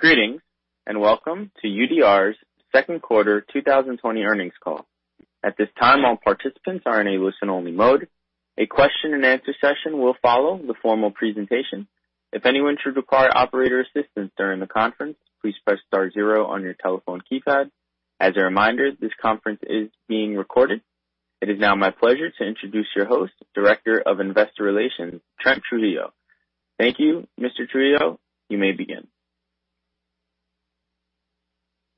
Greetings, welcome to UDR's second quarter 2020 earnings call. At this time, all participants are in a listen-only mode. A question and answer session will follow the formal presentation. If anyone should require operator assistance during the conference, please press star zero on your telephone keypad. As a reminder, this conference is being recorded. It is now my pleasure to introduce your host, Director of Investor Relations, Trent Trujillo. Thank you, Mr. Trujillo. You may begin.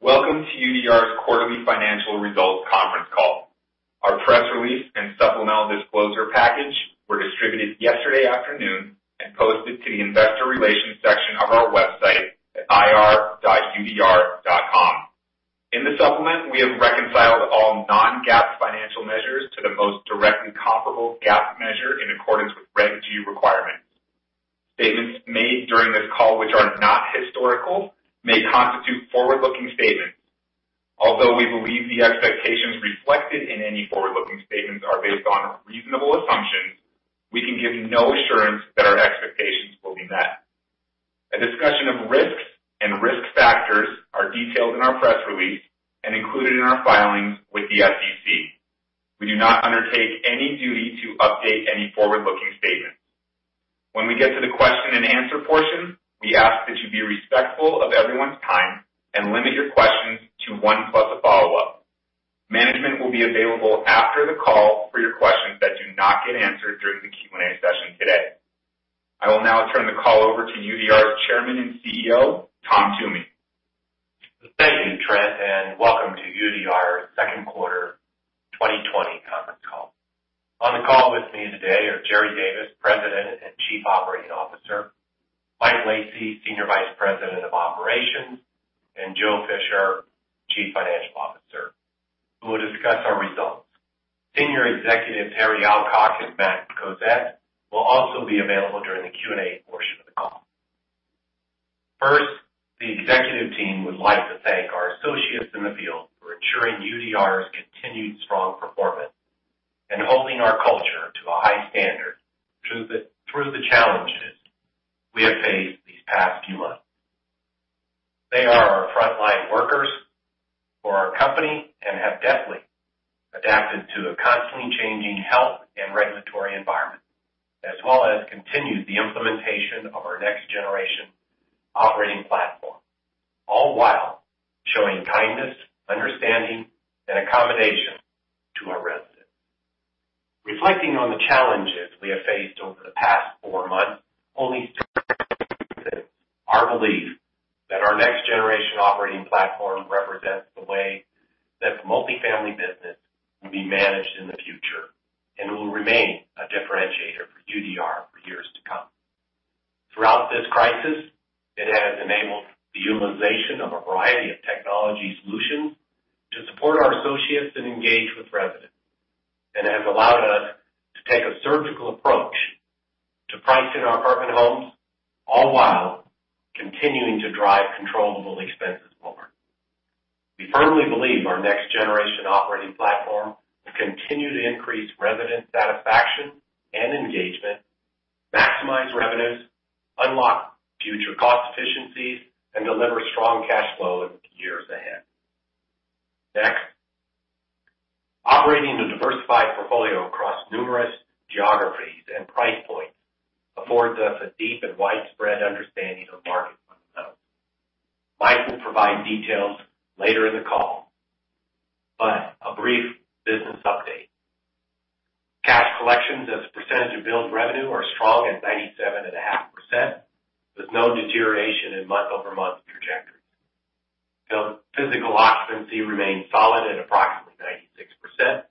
Welcome to UDR's quarterly financial results conference call. Our press release and supplemental disclosure package were distributed yesterday afternoon and posted to the investor relations section of our website at ir.udr.com. In the supplement, we have reconciled all non-GAAP financial measures to the most directly comparable GAAP measure in accordance with Reg G requirements. Statements made during this call which are not historical, may constitute forward-looking statements. Although we believe the expectations reflected in any forward-looking statements are based on reasonable assumptions, we can give no assurance that our expectations will be met. A discussion of risks and risk factors are detailed in our press release and included in our filings with the SEC. We do not undertake any duty to update any forward-looking statements. When we get to the question and answer portion, we ask that you be respectful of everyone's time and limit your questions to one plus a follow-up. Management will be available after the call for your questions that do not get answered during the Q&A session today. I will now turn the call over to UDR's Chairman and CEO, Tom Toomey. Thank you, Trent, and welcome to UDR second quarter 2020 conference call. On the call with me today are Jerry Davis, President and Chief Operating Officer, Mike Lacy, Senior Vice President of Operations, and Joe Fisher, Chief Financial Officer, who will discuss our results. Senior Executives, Harry Alcock and Matt Cosette, will also be available during the Q&A portion of the call. First, the executive team would like to thank our associates in the field for ensuring UDR's continued strong performance and holding our culture to a high standard through the challenges we have faced these past few months. They are our frontline workers for our company and have deftly adapted to a constantly changing health and regulatory environment, as well as continued the implementation of our next-generation operating platform, all while showing kindness, understanding, and accommodation to our residents. Reflecting on the challenges we have faced over the past four months only strengthens our belief that our next-generation operating platform represents the way this multi-family business will be managed in the future and will remain a differentiator for UDR for years to come. Throughout this crisis, it has enabled the utilization of a variety of technology solutions to support our associates and engage with residents, and has allowed us to take a surgical approach to pricing our apartment homes, all while continuing to drive controllable expenses forward. We firmly believe our next-generation operating platform will continue to increase resident satisfaction and engagement, maximize revenues, unlock future cost efficiencies, and deliver strong cash flow in years ahead. Operating a diversified portfolio across numerous geographies and price points affords us a deep and widespread understanding of market fundamentals. Mike will provide details later in the call, but a brief business update. Cash collections as a percentage of billed revenue are strong at 97.5%, with no deterioration in month-over-month trajectories. Physical occupancy remains solid at approximately 96%.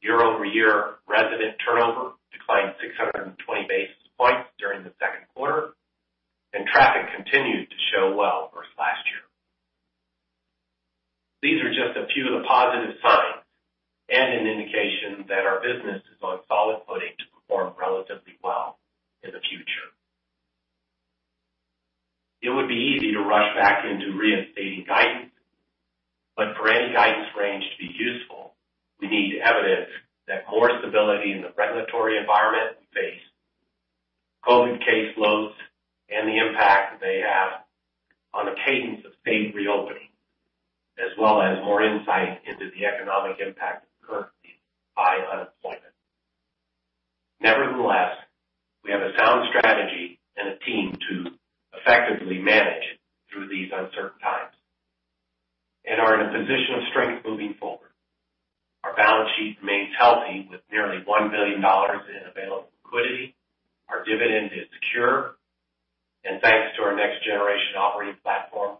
Year-over-year resident turnover declined 620 basis points during the second quarter, and traffic continued to show well versus last year. These are just a few of the positive signs and an indication that our business is on solid footing to perform relatively well in the future. It would be easy to rush back into reinstating guidance, but for any guidance range to be useful, we need evidence that more stability in the regulatory environment we face, COVID case loads, and the impact they have on the cadence of state reopening, as well as more insight into the economic impact currently by unemployment. Nevertheless, we have a sound strategy and a team to effectively manage through these uncertain times and are in a position of strength moving forward. Our balance sheet remains healthy with nearly $1 billion in available liquidity. Our dividend is secure. Thanks to our next-generation operating platform,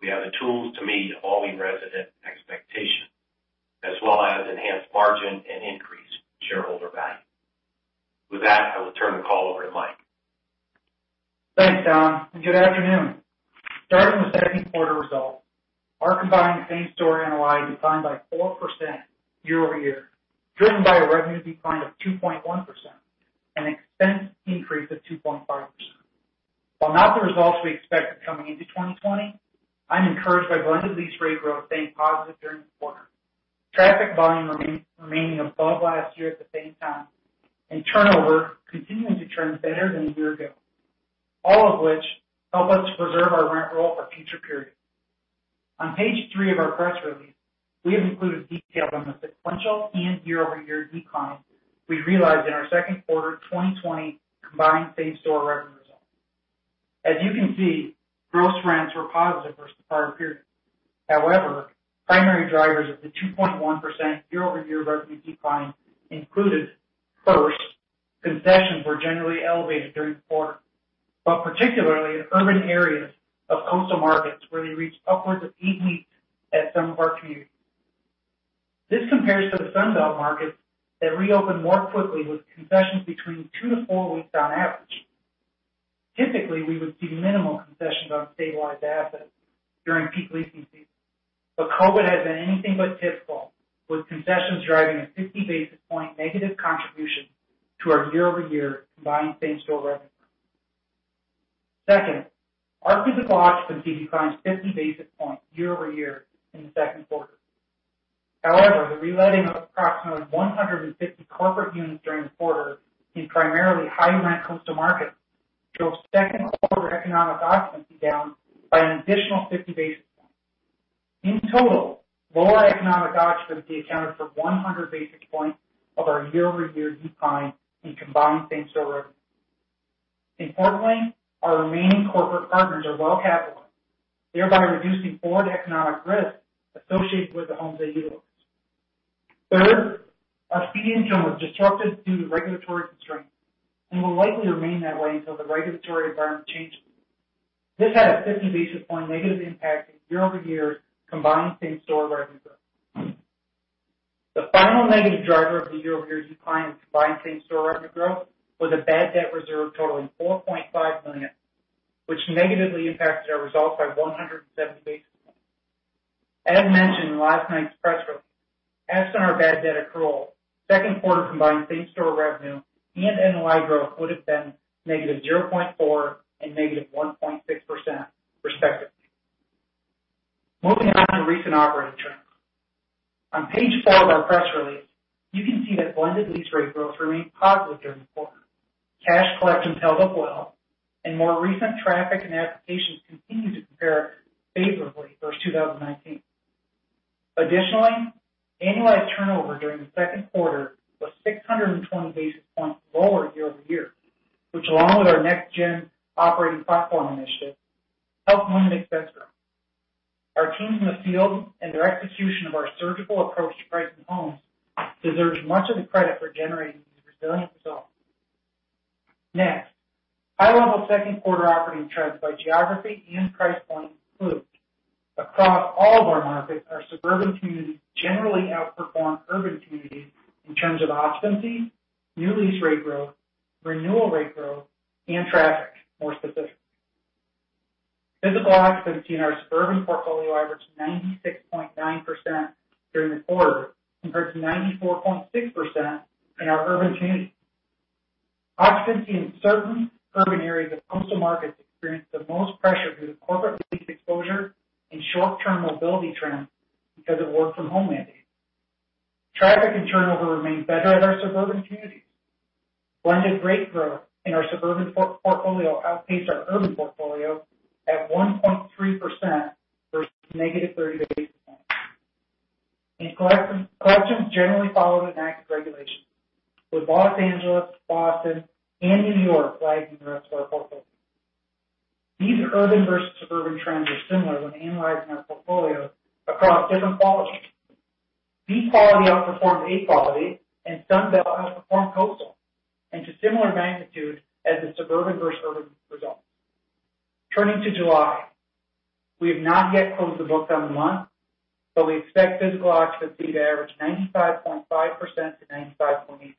we have the tools to meet all our resident expectations, as well as enhance margin and increase shareholder value. With that, I will turn the call over to Mike. Thanks, Tom, and good afternoon. Starting with second quarter results, our combined same-store NOI declined by 4% year-over-year, driven by a revenue decline of 2.1% and expense increase of 2.5%. While not the results we expected coming into 2020, I'm encouraged by blended lease rate growth staying positive during the quarter. Traffic volume remaining above last year at the same time, and turnover continuing to trend better than a year ago. All of which help us to preserve our rent roll for future periods. On page three of our press release, we have included detail on the sequential and year-over-year declines we realized in our second quarter 2020 combined same-store revenue results. As you can see, gross rents were positive versus the prior period. However, primary drivers of the 2.1% year-over-year revenue decline included, first, concessions were generally elevated during the quarter, but particularly in urban areas of coastal markets where they reached upwards of eight weeks at some park communities. This compares to the Sun Belt markets that reopened more quickly with concessions between two to four weeks on average. Typically, we would see minimal concessions on stabilized assets during peak leasing season, but COVID has been anything but typical, with concessions driving a 50 basis point negative contribution to our year-over-year combined same-store revenue. Second, our physical occupancy declined 50 basis points year-over-year in the second quarter. However, the reletting of approximately 150 corporate units during the quarter in primarily high-rent coastal markets drove second quarter economic occupancy down by an additional 50 basis points. In total, lower economic occupancy accounted for 100 basis points of our year-over-year decline in combined same-store revenue. Importantly, our remaining corporate partners are well-capitalized, thereby reducing forward economic risk associated with the homes they utilize. Third, our fee income was disrupted due to regulatory constraints and will likely remain that way until the regulatory environment changes. This had a 50 basis point negative impact in year-over-year combined same-store revenue growth. The final negative driver of the year-over-year decline in combined same-store revenue growth was a bad debt reserve totaling $4.5 million, which negatively impacted our results by 170 basis points. As mentioned in last night's press release, absent our bad debt accrual, second quarter combined same-store revenue and NOI growth would have been negative 0.4 and negative 1.6% respectively. Moving on to recent operating trends. On page four of our press release, you can see that blended lease rate growth remained positive during the quarter. Cash collections held up well, more recent traffic and applications continue to compare favorably versus 2019. Additionally, annualized turnover during the second quarter was 620 basis points lower year-over-year, which along with our next-gen operating platform initiative, helped limit expense growth. Our teams in the field and their execution of our surgical approach to pricing homes deserves much of the credit for generating these resilient results. Next, high-level second quarter operating trends by geography and price point improved. Across all of our markets, our suburban communities generally outperformed urban communities in terms of occupancy, new lease rate growth, renewal rate growth, and traffic, more specifically. Physical occupancy in our suburban portfolio averaged 96.9% during the quarter compared to 94.6% in our urban communities. Occupancy in certain urban areas of coastal markets experienced the most pressure due to corporate lease exposure and short-term mobility trends because of work from home mandates. Traffic and turnover remained better at our suburban communities. Blended rate growth in our suburban portfolio outpaced our urban portfolio at 1.3% versus negative 30 basis points. Collections generally followed enacted regulation, with Los Angeles, Boston, and New York lagging the rest of our portfolio. These urban versus suburban trends are similar when analyzing our portfolio across different quality tiers. B quality outperformed A quality, and Sun Belt outperformed Coastal, and to similar magnitude as the suburban versus urban results. Turning to July, we have not yet closed the books on the month, but we expect physical occupancy to average 95.5% to 95.8%.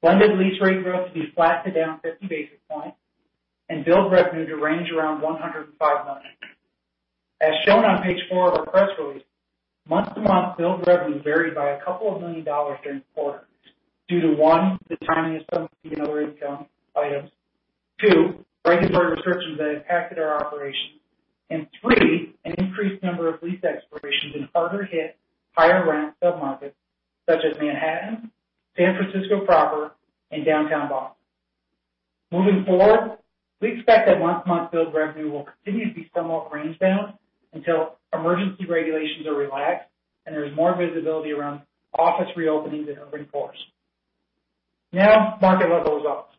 Blended lease rate growth to be flat to down 50 basis points and billed revenue to range around $105 million. As shown on page four of our press release, month-to-month billed revenue varied by a couple of million dollars during the quarter due to, one, the timing of some fee and other income items, two, regulatory restrictions that impacted our operations, and three, an increased number of lease expirations in harder-hit higher-rent submarkets such as Manhattan, San Francisco proper, and downtown Boston. Moving forward, we expect that month-to-month billed revenue will continue to be somewhat range bound until emergency regulations are relaxed and there is more visibility around office reopenings and open floors. Market-level results.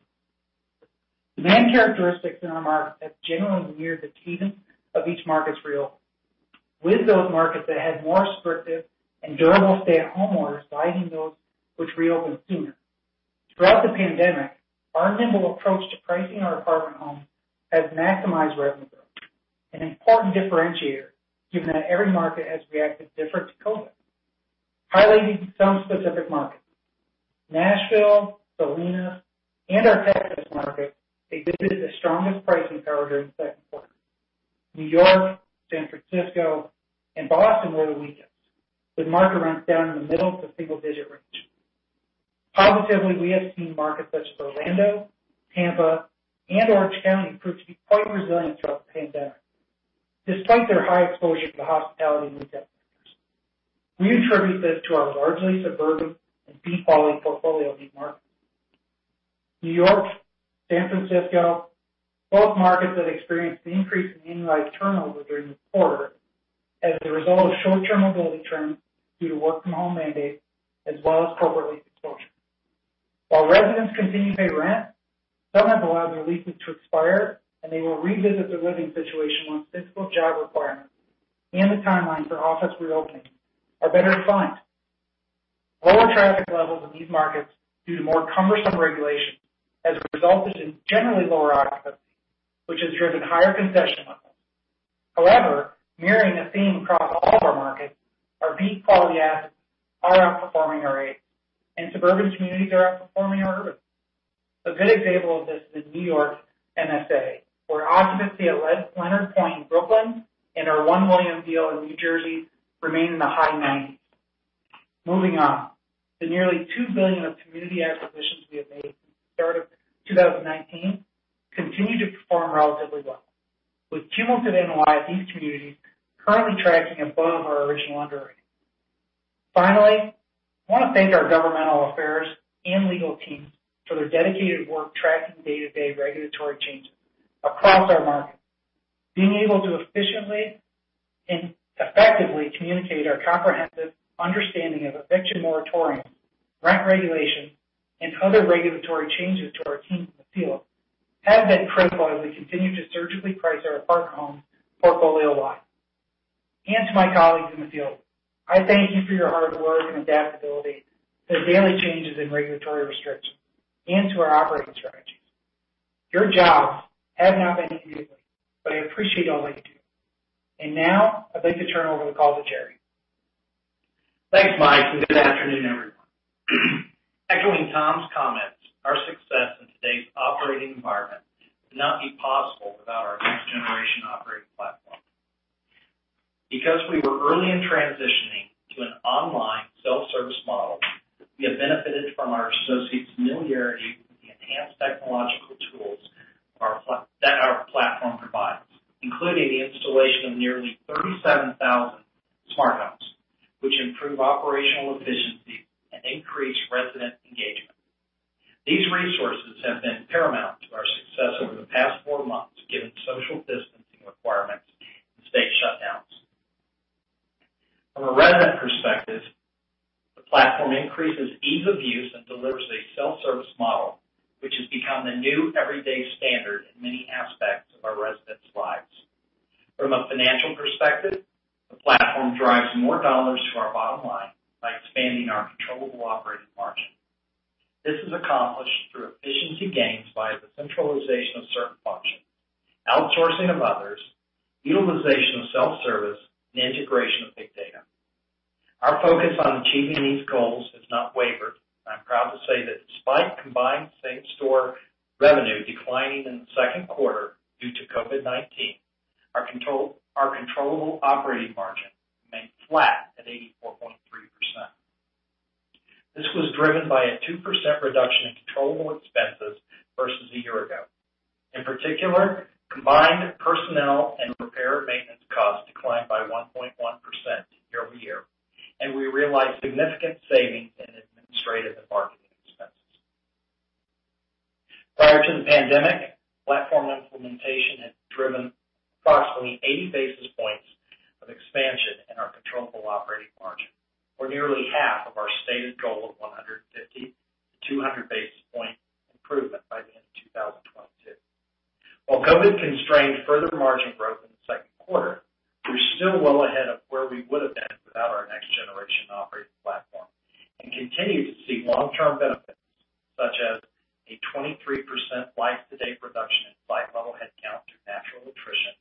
The main characteristics in our markets have generally mirrored the cadence of each market's reopens, with those markets that had more restrictive and durable stay-at-home orders lagging those which reopened sooner. Throughout the pandemic, our nimble approach to pricing our apartment homes has maximized revenue growth, an important differentiator given that every market has reacted different to COVID. Highlighting some specific markets. Nashville, Dallas, and our Texas markets exhibited the strongest pricing power during the second quarter. New York, San Francisco, and Boston were the weakest, with market rents down in the middle of the single-digit range. Positively, we have seen markets such as Orlando, Tampa, and Orange County prove to be quite resilient throughout the pandemic, despite their high exposure to hospitality and retail sectors. We attribute this to our largely suburban and B-quality portfolio in these markets. New York, San Francisco, both markets that experienced an increase in in-lease turnover during the quarter as a result of short-term mobility trends due to work-from-home mandates as well as corporate lease exposure. While residents continue to pay rent, some have allowed their leases to expire, and they will revisit their living situation once physical job requirements and the timeline for office reopening are better defined. Lower traffic levels in these markets due to more cumbersome regulation has resulted in generally lower occupancy, which has driven higher concession levels. Mirroring a theme across all of our markets, our B-quality assets are outperforming our As, and suburban communities are outperforming our urbans. A good example of this is New York MSA, where occupancy at 10 Hanover Square in Brooklyn and our One William deal in New Jersey remain in the high 90s. Moving on. The nearly $2 billion of community acquisitions we have made since the start of 2019 continue to perform relatively well, with cumulative NOI of these communities currently tracking above our original underwriting. Finally, I want to thank our governmental affairs and legal teams for their dedicated work tracking day-to-day regulatory changes across our markets. Being able to efficiently and effectively communicate our comprehensive understanding of eviction moratoriums, rent regulation, and other regulatory changes to our teams in the field has been critical as we continue to surgically price our apartment home portfolio lot. To my colleagues in the field, I thank you for your hard work and adaptability to the daily changes in regulatory restrictions and to our operating strategies. Your jobs have not been easy, but I appreciate all that you do. Now I'd like to turn over the call to Jerry. Thanks, Mike, and good afternoon, everyone. Echoing Tom's comments, our success in today's operating environment would not be possible without our next-generation operating platform. Because we were early in transitioning to an online self-service model, we have benefited from our associates' familiarity with the enhanced technological tools that our platform provides, including the installation of nearly 37,000 smart homes, which improve operational efficiency and increase resident engagement. These resources have been paramount to our success over the past four months, given social distancing requirements and state shutdowns. From a resident perspective, the platform increases ease of use and delivers a self-service model, which has become the new everyday standard in many aspects of our residents' lives. From a financial perspective, the platform drives more dollars to our bottom line by expanding our controllable operating margin. This is accomplished through efficiency gains via the centralization of certain functions, outsourcing of others, utilization of self-service, and integration of big data. Our focus on achieving these goals has not wavered. I'm proud to say that despite combined same-store revenue declining in the second quarter due to COVID-19, our controllable operating margin remained flat at 84.3%. This was driven by a 2% reduction in controllable expenses versus a year ago. In particular, combined personnel and repair maintenance costs declined by 1.1% year-over-year, and we realized significant savings in administrative and marketing expenses. Prior to the pandemic, platform implementation had driven approximately 80 basis points of expansion in our controllable operating margin, or nearly half of our stated goal of 150 to 200 basis point improvement by the end of 2022. While COVID constrained further margin growth in the second quarter, we're still well ahead of where we would have been without our next-generation operating platform and continue to see long-term benefits, such as a 23% YTD reduction in site-level headcount through natural attrition,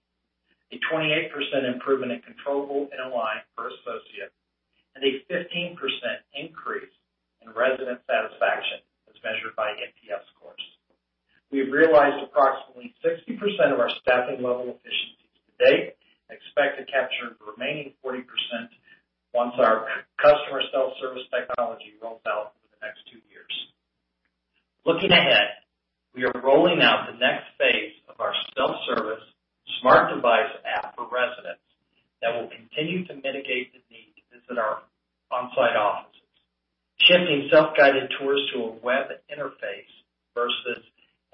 a 28% improvement in controllable NOI per associate, and a 15% increase in resident satisfaction as measured by NPS scores. We have realized approximately 60% of our staffing level efficiencies to date and expect to capture the remaining 40% once our customer self-service technology rolls out over the next two years. Looking ahead, we are rolling out the next phase of our self-service smart device app for residents that will continue to mitigate the need to visit our on-site offices, shifting self-guided tours to a web interface versus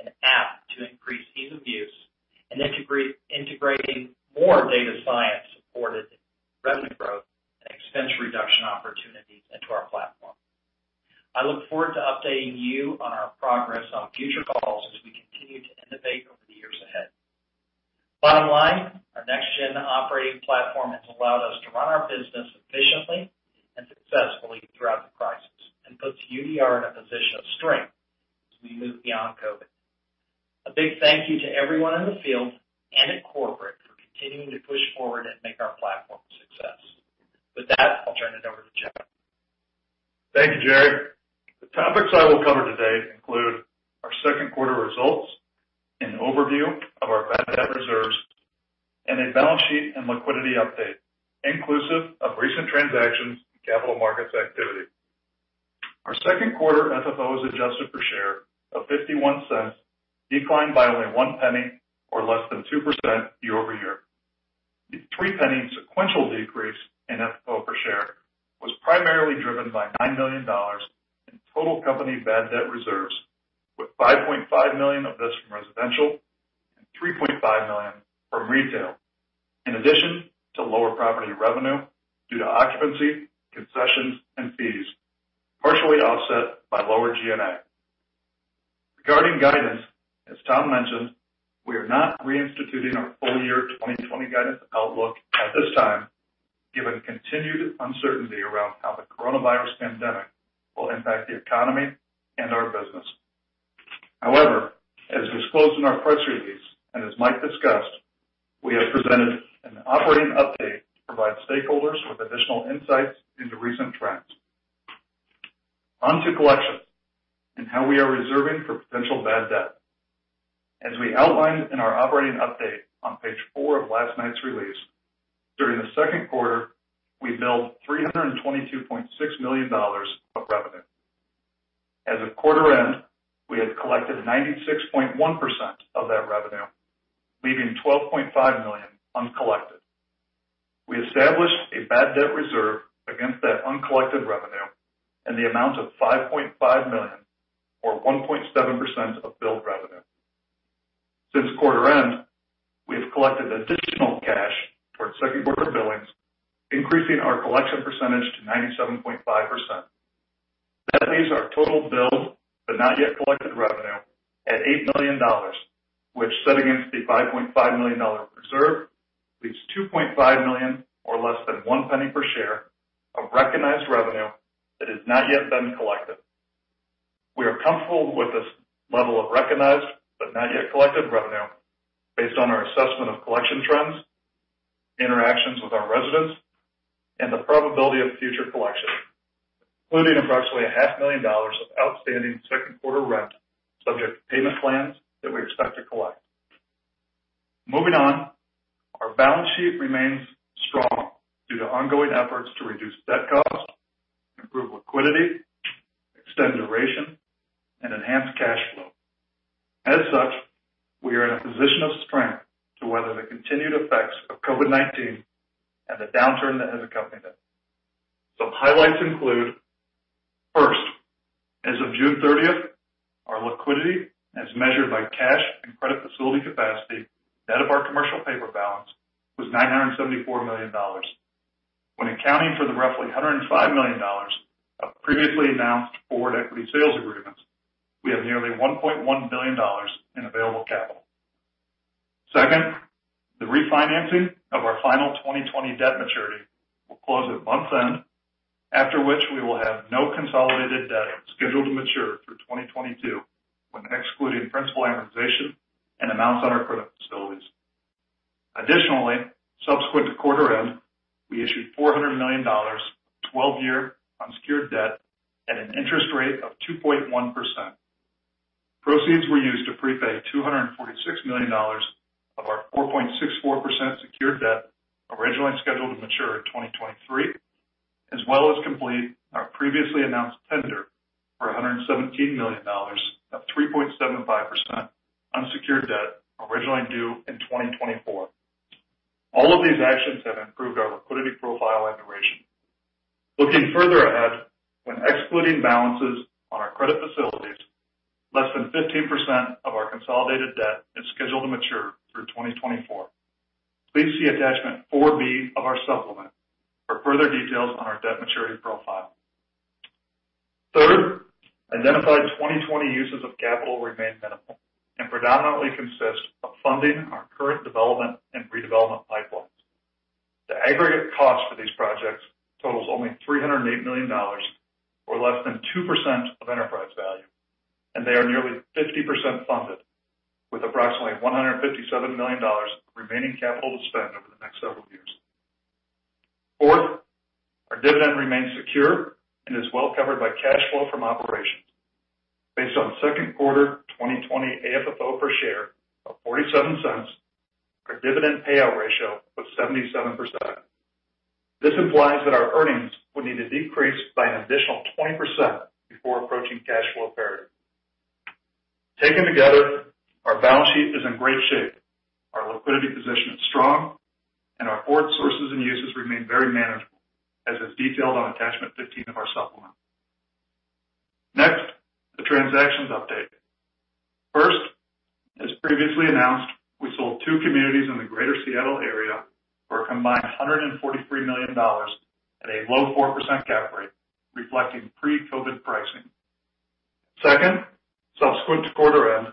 an app to increase ease of use, and integrating more data science-supported revenue growth and expense reduction opportunities into our platform. I look forward to updating you on our progress on future calls as we continue to innovate over the years ahead. Bottom line, our next-gen operating platform has allowed us to run our business efficiently and successfully throughout the crisis and puts UDR in a position of strength as we move beyond COVID. A big thank you to everyone in the field and at corporate for continuing to push forward and make our platform a success. With that, I'll turn it over to Joe. Thank you, Jerry. The topics I will cover today include our second quarter results, an overview Liquidity update, inclusive of recent transactions and capital markets activity. Our second quarter FFOs adjusted per share of $0.51 declined by only one penny or less than 2% year-over-year. The three penny sequential decrease in FFO per share was primarily driven by $9 million in total company bad debt reserves, with $5.5 million of this from residential and $3.5 million from retail, in addition to lower property revenue due to occupancy, concessions, and fees, partially offset by lower G&A. Regarding guidance, as Tom mentioned, we are not reinstituting our full year 2020 guidance outlook at this time, given continued uncertainty around how the coronavirus pandemic will impact the economy and our business. However, as disclosed in our press release, and as Mike discussed, we have presented an operating update to provide stakeholders with additional insights into recent trends. To collections and how we are reserving for potential bad debt. As we outlined in our operating update on page four of last night's release, during the second quarter, we billed $322.6 million of revenue. As of quarter end, we had collected 96.1% of that revenue, leaving $12.5 million uncollected. We established a bad debt reserve against that uncollected revenue in the amount of $5.5 million or 1.7% of billed revenue. Since quarter end, we have collected additional cash towards second quarter billings, increasing our collection percentage to 97.5%. Leaves our total billed, but not yet collected revenue at $8 million, which set against the $5.5 million reserve, leaves $2.5 million or less than $0.01 per share of recognized revenue that has not yet been collected. We are comfortable with this level of recognized but not yet collected revenue based on our assessment of collection trends, interactions with our residents, and the probability of future collection, including approximately a half million dollars of outstanding second quarter rent subject to payment plans that we expect to collect. Moving on, our balance sheet remains strong due to ongoing efforts to reduce debt cost, improve liquidity, extend duration, and enhance cash flow. As such, we are in a position of strength to weather the continued effects of COVID-19 and the downturn that has accompanied it. Some highlights include, first, as of June 30th, our liquidity as measured by cash and credit facility capacity, net of our commercial paper balance, was $974 million. When accounting for the roughly $105 million of previously announced forward equity sales agreements, we have nearly $1.1 billion in available capital. Second, the refinancing of our final 2020 debt maturity will close at month end, after which we will have no consolidated debt scheduled to mature through 2022 when excluding principal amortization and amounts on our credit facilities. Additionally, subsequent to quarter end, we issued $400 million of 12-year unsecured debt at an interest rate of 2.1%. Proceeds were used to pre-pay $246 million of our 4.64% secured debt originally scheduled to mature in 2023, as well as complete our previously announced tender for $117 million of 3.75% unsecured debt originally due in 2024. All of these actions have improved our liquidity profile and duration. Looking further ahead, when excluding balances on our credit facilities, less than 15% of our consolidated debt is scheduled to mature through 2024. Please see attachment 4B of our supplement for further details on our debt maturity profile. Third, identified 2020 uses of capital remain minimal and predominantly consist of funding our current development and redevelopment pipelines. The aggregate cost for these projects totals only $308 million or less than 2% of enterprise value, and they are nearly 50% funded with approximately $157 million of remaining capital to spend over the next several years. Fourth, our dividend remains secure and is well covered by cash flow from operations. Based on second quarter 2020 AFFO per share of $0.47, our dividend payout ratio was 77%. This implies that our earnings would need to decrease by an additional 20% before approaching cash flow parity. Taken together, our balance sheet is in great shape. Our liquidity position is strong, and our forward sources and uses remain very manageable, as is detailed on attachment 15 of our supplement. Next, the transactions update. First, as previously announced, we sold two communities in the Greater Seattle area for a combined $143 million at a low 4% cap rate, reflecting pre-COVID pricing. Second, subsequent to quarter end,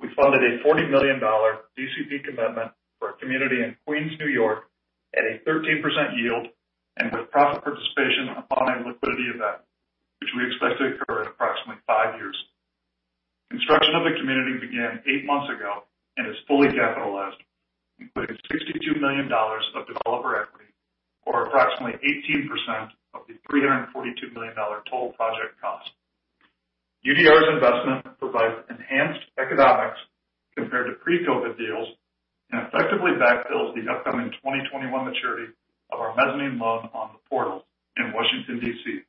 we funded a $40 million DCP commitment for a community in Queens, New York at a 13% yield and with profit participation upon a liquidity event, which we expect to occur in approximately five years. Construction of the community began eight months ago and is fully capitalized, including $62 million of developer equity, or approximately 18% of the $342 million total project cost. UDR's investment provides enhanced economics compared to pre-COVID deals, and effectively backfills the upcoming 2021 maturity of our mezzanine loan on The Portals in Washington, D.C.,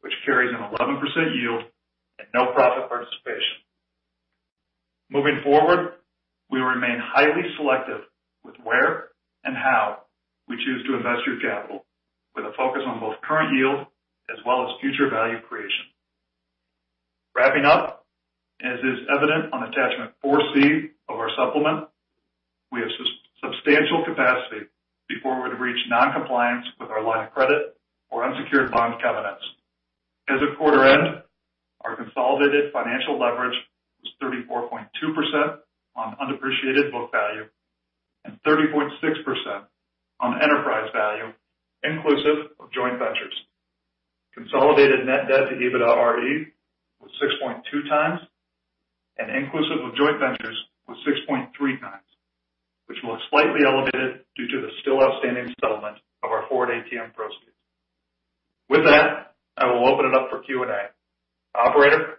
which carries an 11% yield and no profit participation. Moving forward, we remain highly selective with where and how we choose to invest your capital, with a focus on both current yield as well as future value creation. Wrapping up, as is evident on attachment 4C of our supplement, we have substantial capacity before we'd reach non-compliance with our line of credit or unsecured bond covenants. As of quarter end, our consolidated financial leverage was 34.2% on undepreciated book value and 30.6% on enterprise value, inclusive of joint ventures. Consolidated net debt to EBITDAre was 6.2x, and inclusive of joint ventures was 6.3x, which looks slightly elevated due to the still outstanding settlement of our forward ATM proceeds. With that, I will open it up for Q&A. Operator?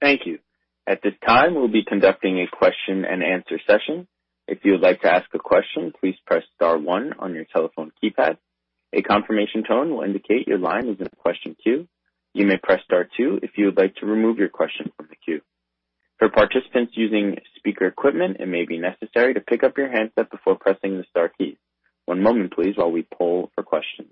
Thank you. At this time, we'll be conducting a question-and-answer session. If you would like to ask a question, please press star one on your telephone keypad. A confirmation tone will indicate your line is in the question queue. You may press star two if you would like to remove your question from the queue. For participants using speaker equipment, it may be necessary to pick up your handset before pressing the star key. One moment, please, while we poll for questions.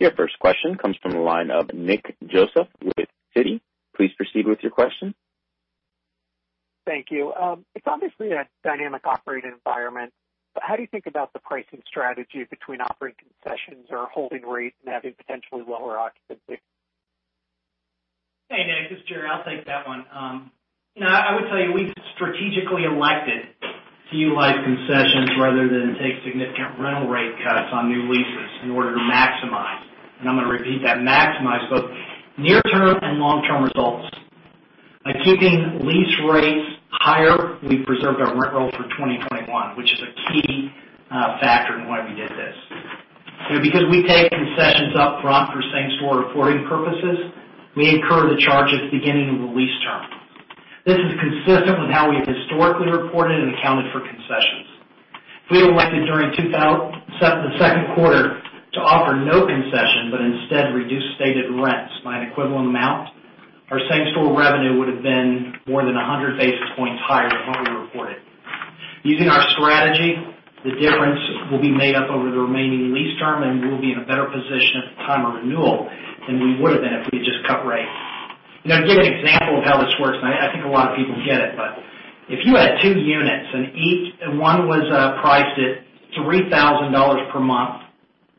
Your first question comes from the line of Nick Joseph with Citi. Please proceed with your question. Thank you. It's obviously a dynamic operating environment. How do you think about the pricing strategy between offering concessions or holding rates and having potentially lower occupancy? Hey, Nick, this is Jerry. I'll take that one. I would say we strategically elected to utilize concessions rather than take significant rental rate cuts on new leases in order to maximize, and I'm going to repeat that, maximize both near-term and long-term results. By keeping lease rates higher, we preserved our rent roll for 2021, which is a key factor in why we did this. We take concessions upfront for same-store reporting purposes, we incur the charges beginning of the lease term. This is consistent with how we historically reported and accounted for concessions. If we elected during the second quarter to offer no concession, but instead reduced stated rents by an equivalent amount, our same-store revenue would've been more than 100 basis points higher than what we reported. Using our strategy, the difference will be made up over the remaining lease term, and we'll be in a better position at the time of renewal than we would've been if we had just cut rates. To give an example of how this works, and I think a lot of people get it, but if you had two units and one was priced at $3,000 per month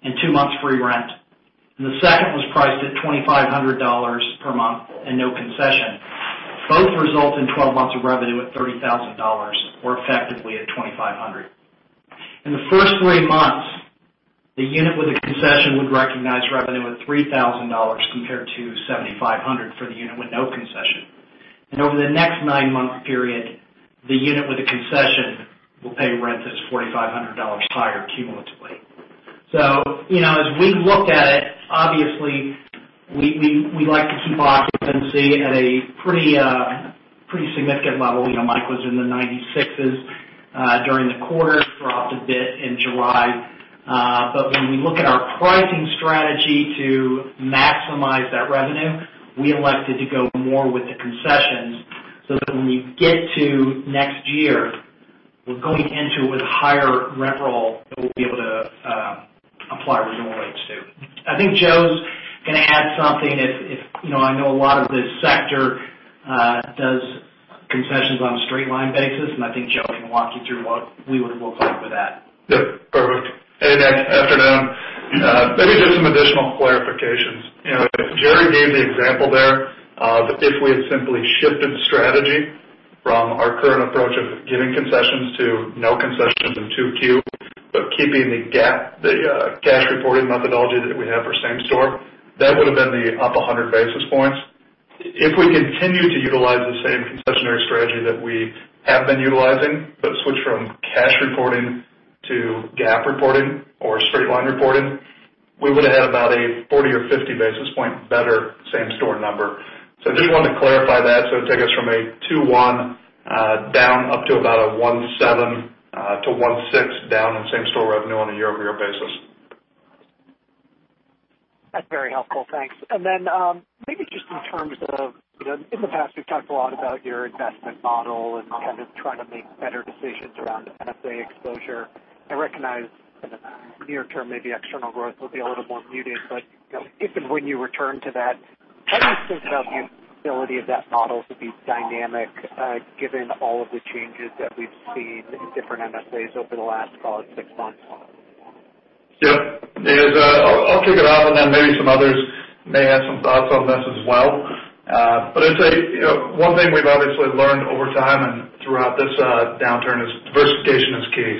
and two months free rent, and the second was priced at $2,500 per month and no concession, both result in 12 months of revenue at $30,000 or effectively at $2,500. In the first three months, the unit with the concession would recognize revenue at $3,000 compared to $7,500 for the unit with no concession. Over the next nine-month period, the unit with the concession will pay rent that's $4,500 higher cumulatively. As we look at it, obviously, we like to keep occupancy at a pretty significant level. Mike was in the 96s during the quarter, dropped a bit in July. When we look at our pricing strategy to maximize that revenue, we elected to go more with the concessions, so that when we get to next year, we're going into it with higher rent roll that we'll be able to apply renewal rates to. I think Joe's going to add something. I know a lot of this sector does concessions on a straight line basis, and I think Joe can walk you through what we would look like with that. Yep. Perfect. Hey, Nick. Afternoon. Maybe just some additional clarifications. If Jerry gave the example there, that if we had simply shifted the strategy from our current approach of giving concessions to no concessions in 2Q, but keeping the GAAP, the cash reporting methodology that we have for same-store, that would've been the up 100 basis points. If we continued to utilize the same concessionary strategy that we have been utilizing, but switch from cash reporting to GAAP reporting or straight line reporting, we would've had about a 40 or 50 basis point better same-store number. Just wanted to clarify that. It'd take us from a 2.1 down up to about a 1.7 to 1.6 down in same-store revenue on a year-over-year basis. That's very helpful, thanks. Maybe just in terms of, in the past, we've talked a lot about your investment model and kind of trying to make better decisions around MSA exposure. I recognize near-term, maybe external growth will be a little more muted, but if and when you return to that, how do you think about the ability of that model to be dynamic, given all of the changes that we've seen in different MSAs over the last, call it, six months? Nick, I'll kick it off. Maybe some others may have some thoughts on this as well. I'd say one thing we've obviously learned over time and throughout this downturn is diversification is key.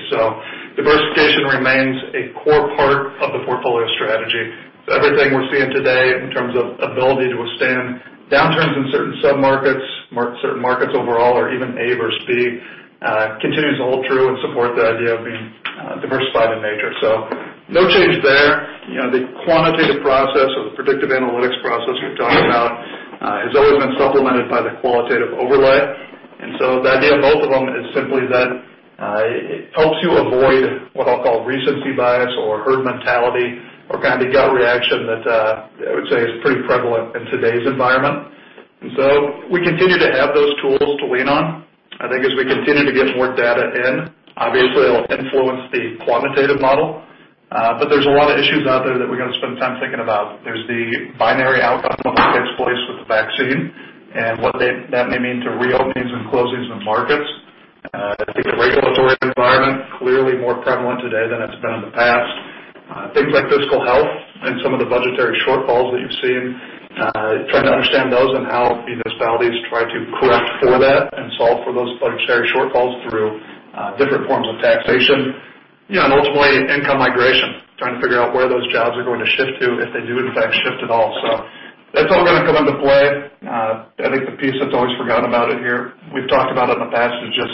Diversification remains a core part of the portfolio strategy. Everything we're seeing today in terms of ability to withstand downturns in certain sub-markets, certain markets overall, or even A versus B, continues to hold true and support the idea of being diversified in nature. No change there. The quantitative process or the predictive analytics process we're talking about has always been supplemented by the qualitative overlay. The idea of both of them is simply that it helps you avoid what I'll call recency bias or herd mentality or gut reaction that I would say is pretty prevalent in today's environment. We continue to have those tools to lean on. I think as we continue to get more data in, obviously it'll influence the quantitative model. There's a lot of issues out there that we've got to spend time thinking about. There's the binary outcome when it takes place with the vaccine and what that may mean to reopenings and closings in markets. I think the regulatory environment, clearly more prevalent today than it's been in the past. Things like fiscal health and some of the budgetary shortfalls that you've seen, trying to understand those and how the municipalities try to correct for that and solve for those budgetary shortfalls through different forms of taxation. Ultimately, income migration, trying to figure out where those jobs are going to shift to if they do in fact shift at all. That's all going to come into play. I think the piece that's always forgotten about it here, we've talked about in the past, is just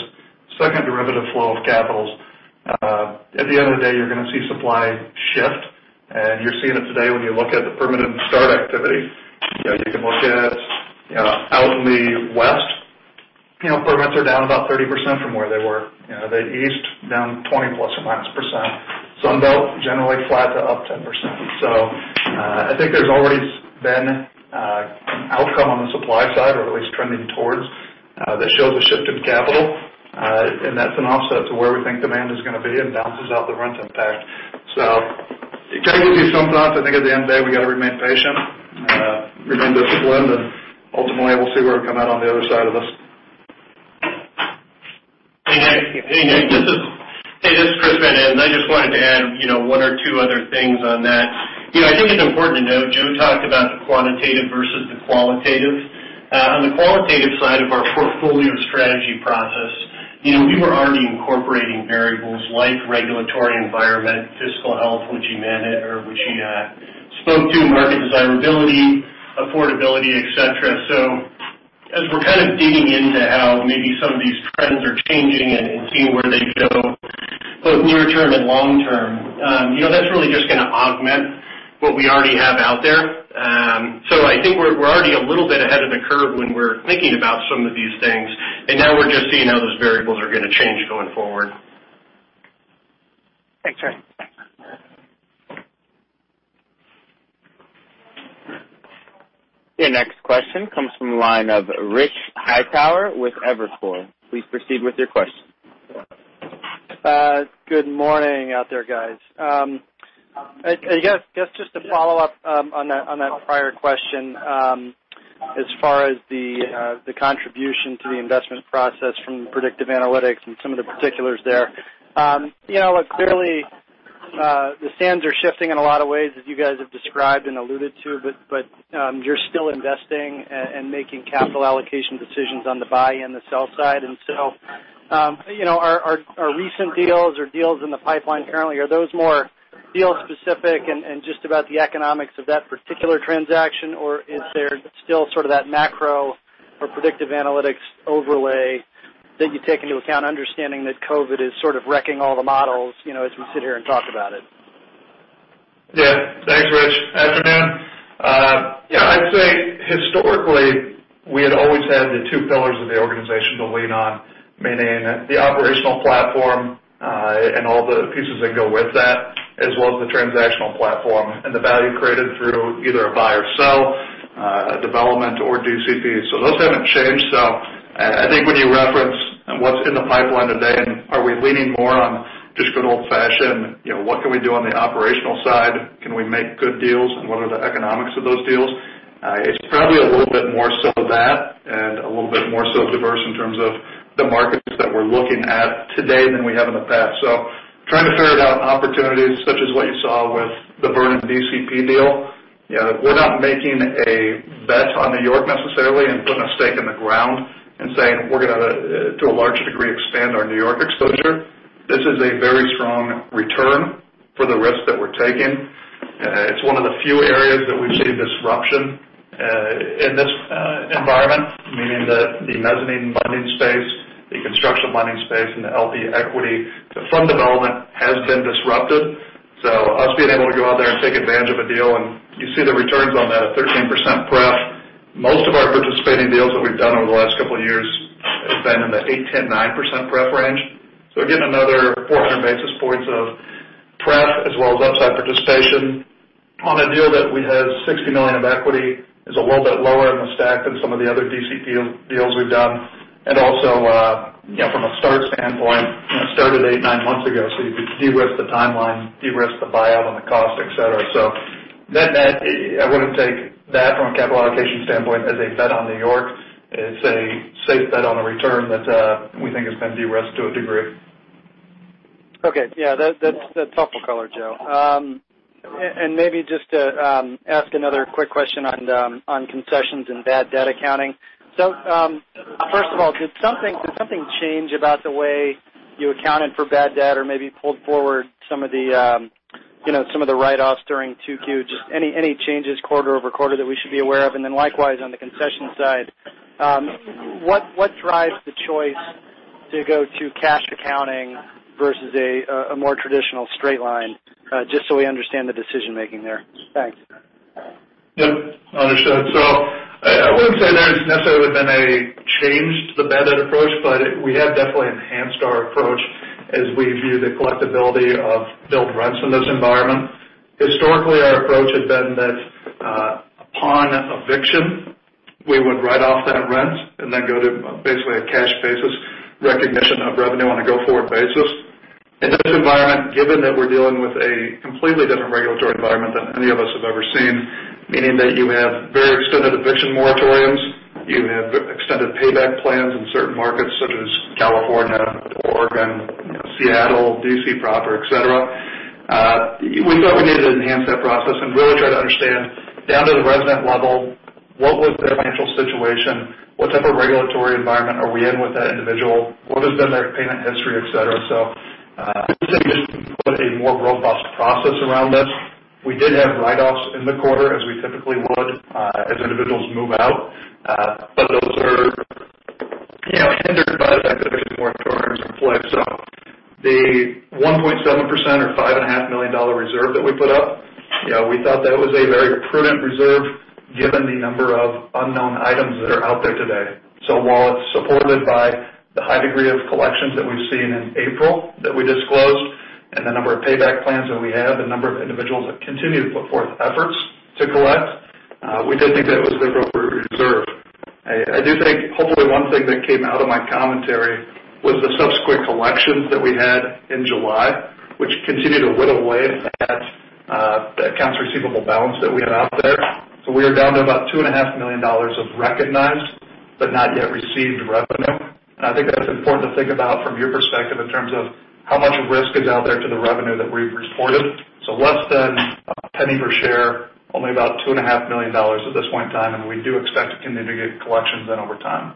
second derivative flow of capitals. At the end of the day, you're going to see supply shift, and you're seeing it today when you look at the permit start activity. You can look at out in the West, permits are down about 30% from where they were. The East, down 20+ or minus percent. Sun Belt, generally flat to up 10%. I think there's always been an outcome on the supply side or at least trending towards that shows a shift in capital, and that's an offset to where we think demand is going to be and balances out the rent impact. It can give you some thoughts. I think at the end of the day, we've got to remain patient, remain disciplined, and ultimately, we'll see where we come out on the other side of this. Hey, Nick. Hey, this is Chris Van Ens. I just wanted to add one or two other things on that. I think it's important to note, Joe talked about the quantitative versus the qualitative. On the qualitative side of our portfolio strategy process, we were already incorporating variables like regulatory environment, fiscal health, which he spoke to, market desirability, affordability, et cetera. As we're kind of digging into how maybe some of these trends are changing and seeing where they go, both near-term and long-term. That's really just going to augment what we already have out there. I think we're already a little bit ahead of the curve when we're thinking about some of these things, and now we're just seeing how those variables are going to change going forward. Thanks, Chris. Your next question comes from the line of Rich Hightower with Evercore. Please proceed with your question. Good morning out there, guys. I guess just to follow up on that prior question as far as the contribution to the investment process from predictive analytics and some of the particulars there. Look, clearly, the sands are shifting in a lot of ways as you guys have described and alluded to, you're still investing and making capital allocation decisions on the buy and the sell side. Our recent deals or deals in the pipeline currently, are those more deal specific and just about the economics of that particular transaction? Is there still sort of that macro or predictive analytics overlay that you take into account, understanding that COVID is sort of wrecking all the models as we sit here and talk about it? Thanks, Rich. Afternoon. I'd say historically, we had always had the two pillars of the organization to lean on, meaning the operational platform, and all the pieces that go with that, as well as the transactional platform and the value created through either a buy or sell, a development or DCP. Those haven't changed. I think when you reference what's in the pipeline today and are we leaning more on just good old-fashioned, what can we do on the operational side? Can we make good deals, and what are the economics of those deals? It's probably a little bit more so that and a little bit more so diverse in terms of the markets that we're looking at today than we have in the past. Trying to ferret out opportunities such as what you saw with the Vernon DCP deal. We're not making a bet on New York necessarily and putting a stake in the ground and saying we're going to a large degree, expand our New York exposure. This is a very strong return for the risk that we're taking. It's one of the few areas that we see disruption, in this environment, meaning the mezzanine lending space, the construction lending space, and the LP equity to fund development has been disrupted. Us being able to go out there and take advantage of a deal, and you see the returns on that at 13% pref. Most of our participating deals that we've done over the last couple of years has been in the 8%, 10%, 9% pref range. We're getting another 400 basis points of pref as well as upside participation on a deal that we had $60 million of equity is a little bit lower in the stack than some of the other DCP deals we've done. Also, from a start standpoint, it started eight, nine months ago, so you could de-risk the timeline, de-risk the buyout on the cost, et cetera. I wouldn't take that from a capital allocation standpoint as a bet on New York. It's a safe bet on a return that we think is going to de-risk to a degree. Okay. Yeah. That's helpful color, Joe. Maybe just to ask another quick question on concessions and bad debt accounting. First of all, did something change about the way you accounted for bad debt or maybe pulled forward some of the write-offs during 2Q? Just any changes quarter-over-quarter that we should be aware of? Likewise, on the concession side, what drives the choice to go to cash accounting versus a more traditional straight line? Just so we understand the decision-making there. Thanks. Yep. Understood. I wouldn't say there's necessarily been a change to the bad debt approach, but we have definitely enhanced our approach as we view the collectibility of billed rents in this environment. Historically, our approach had been that upon eviction, we would write off that rent and then go to basically a cash basis recognition of revenue on a go-forward basis. In this environment, given that we're dealing with a completely different regulatory environment than any of us have ever seen, meaning that you have very extended eviction moratoriums, you have extended payback plans in certain markets such as California, Oregon, Seattle, D.C. proper, et cetera. We felt we needed to enhance that process and really try to understand, down to the resident level, what was their financial situation, what type of regulatory environment are we in with that individual, what has been their payment history, et cetera. I think we just put a more robust process around this. We did have write-offs in the quarter, as we typically would as individuals move out. Those are hindered by the fact that eviction moratoriums are in play. The 1.7% or $5.5 million reserve that we put up, we thought that was a very prudent reserve given the number of unknown items that are out there today. While it's supported by the high degree of collections that we've seen in April, that we disclosed, and the number of payback plans that we have, the number of individuals that continue to put forth efforts to collect, we did think that was an appropriate reserve. I do think, hopefully one thing that came out of my commentary was the subsequent collections that we had in July, which continue to whittle away at that accounts receivable balance that we had out there. We are down to about $2.5 million of recognized but not yet received revenue. I think that's important to think about from your perspective in terms of how much risk is out there to the revenue that we've reported. Less than $0.01 per share, only about $2.5 million at this point in time, and we do expect to continue to get collections in over time.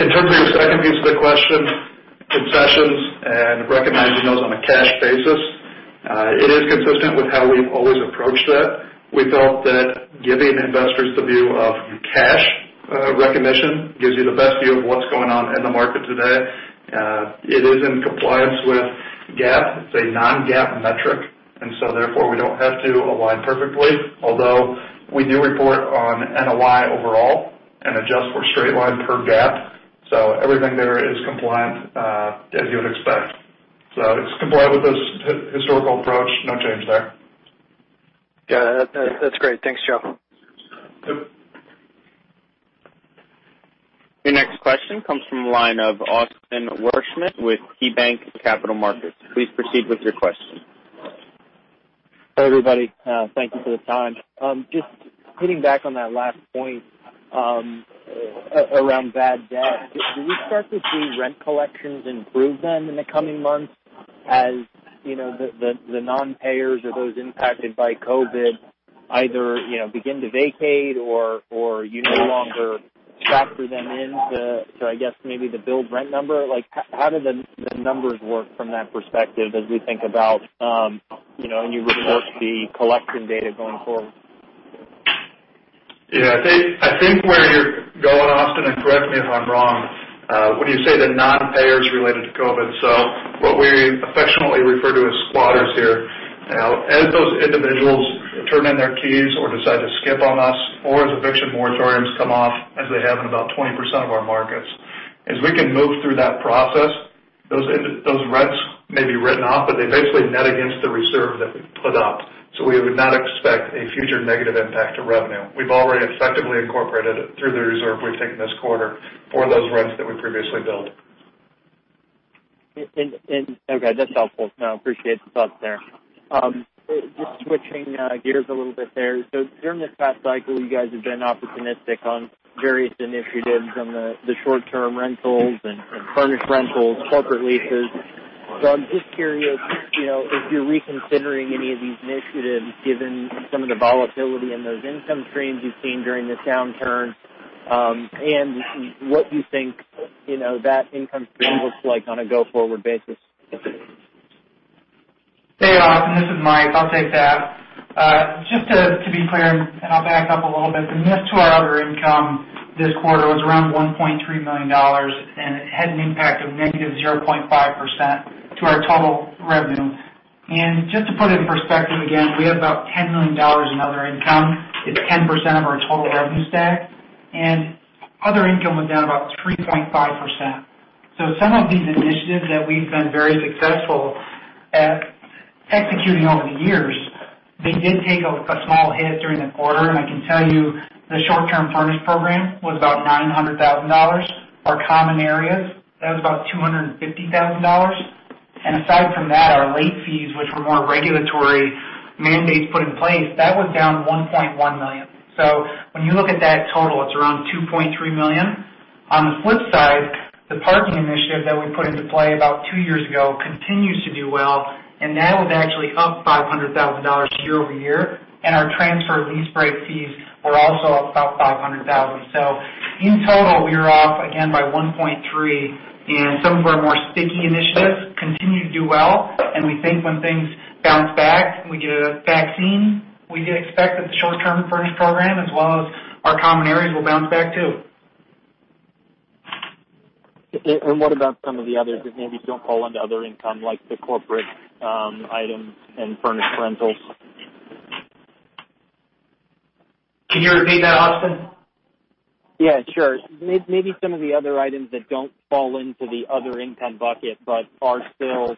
In terms of your second piece of the question, concessions and recognizing those on a cash basis, it is consistent with how we've always approached that. We felt that giving investors the view of cash recognition gives you the best view of what's going on in the market today. It is in compliance with GAAP. It's a non-GAAP metric, and so therefore, we don't have to align perfectly, although we do report on NOI overall and adjust for straight line per GAAP. Everything there is compliant as you would expect. No change there. Yeah. That's great. Thanks, Joe. Yep. Your next question comes from the line of Austin Wurschmidt with KeyBanc Capital Markets. Please proceed with your question. Hey, everybody. Thank you for the time. Just hitting back on that last point around bad debt, do we expect to see rent collections improve then in the coming months as the non-payers or those impacted by COVID either begin to vacate or you no longer factor them into, I guess, maybe the billed rent number? How do the numbers work from that perspective as we think about when you report the collection data going forward? Yeah. I think where you're going, Austin, and correct me if I'm wrong, when you say the non-payers related to COVID, so what we affectionately refer to as squatters here. As those individuals turn in their keys or decide to skip on us, or as eviction moratoriums come off as they have in about 20% of our markets, as we can move through that process, those rents may be written off, but they basically net against the reserve that we've put up. We would not expect a future negative impact to revenue. We've already effectively incorporated it through the reserve we've taken this quarter for those rents that we previously billed. Okay. That's helpful. No, appreciate the thought there. Just switching gears a little bit there. During this past cycle, you guys have been opportunistic on various initiatives on the short-term rentals and furnished rentals, corporate leases. I'm just curious if you're reconsidering any of these initiatives given some of the volatility in those income streams you've seen during this downturn, and what you think that income stream looks like on a go-forward basis. Hey, Austin. This is Mike. I'll take that. Just to be clear, I'll back up a little bit, the miss to our other income this quarter was around $1.3 million, it had an impact of negative 0.5% to our total revenue. Just to put it in perspective again, we have about $10 million in other income. It's 10% of our total revenue stack, other income was down about 3.5%. Some of these initiatives that we've been very successful at executing over the years, they did take a small hit during the quarter, I can tell you the short-term furnished program was about $900,000. Our common areas, that was about $250,000. Aside from that, our late fees, which were more regulatory mandates put in place, that was down $1.1 million. When you look at that total, it's around $2.3 million. On the flip side, the parking initiative that we put into play about two years ago continues to do well, and that was actually up $500,000 year-over-year, and our transfer lease break fees were also up about $500,000. In total, we are off again by 1.3, and some of our more sticky initiatives continue to do well. We think when things bounce back, we get a vaccine, we do expect that the short-term furnished program, as well as our common areas, will bounce back, too. What about some of the others that maybe don't fall under other income, like the corporate items and furnished rentals? Can you repeat that, Austin? Yeah, sure. Maybe some of the other items that don't fall into the other income bucket but are still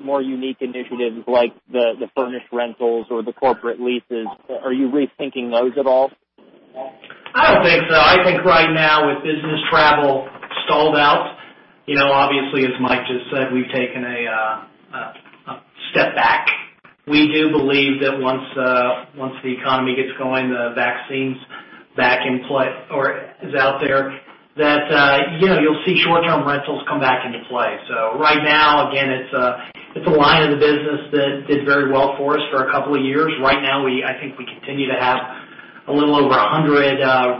more unique initiatives like the furnished rentals or the corporate leases. Are you rethinking those at all? I don't think so. I think right now, with business travel stalled out, obviously, as Mike just said, we've taken a step back. We do believe that once the economy gets going, the vaccine is out there, that you'll see short-term rentals come back into play. Right now, again, it's a line of the business that did very well for us for a couple of years. Right now, I think we continue to have a little over 100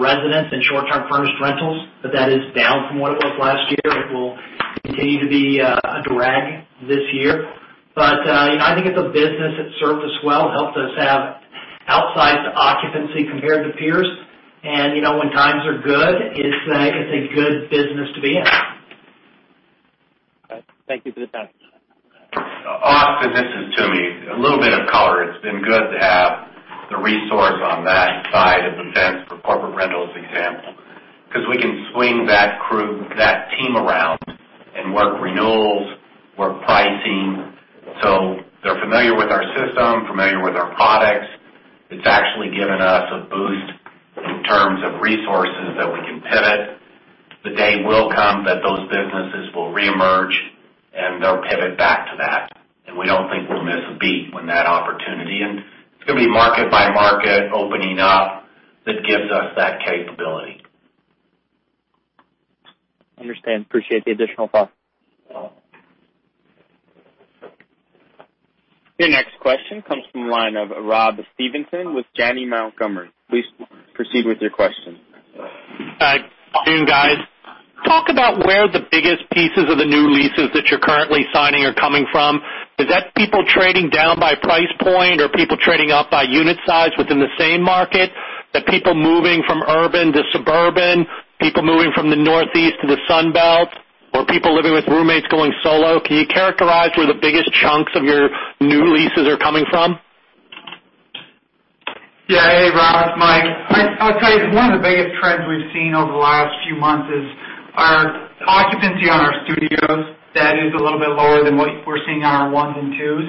residents in short-term furnished rentals, but that is down from what it was last year. It will continue to be a drag this year. I think it's a business that served us well, helped us have outsized occupancy compared to peers. When times are good, it's a good business to be in. Thank you for the time. Austin, this is Tom Toomey. A little bit of color. It's been good to have the resource on that side of the fence for corporate rentals example, because we can swing that team around and work renewals, work pricing. They're familiar with our system, familiar with our products. It's actually given us a boost in terms of resources that we can pivot. The day will come that those businesses will reemerge, and they'll pivot back to that, and we don't think we'll miss a beat when that opportunity. It's going to be market by market opening up that gives us that capability. Understand. Appreciate the additional thought. Your next question comes from the line of Rob Stevenson with Janney Montgomery. Please proceed with your question. Hi, good afternoon, guys. Talk about where the biggest pieces of the new leases that you're currently signing are coming from. Is that people trading down by price point or people trading up by unit size within the same market, people moving from urban to suburban, people moving from the Northeast to the Sun Belt, or people living with roommates going solo? Can you characterize where the biggest chunks of your new leases are coming from? Yeah. Hey, Rob, it's Mike. I'll tell you, one of the biggest trends we've seen over the last few months is our occupancy on our studios. That is a little bit lower than what we're seeing on our ones and twos.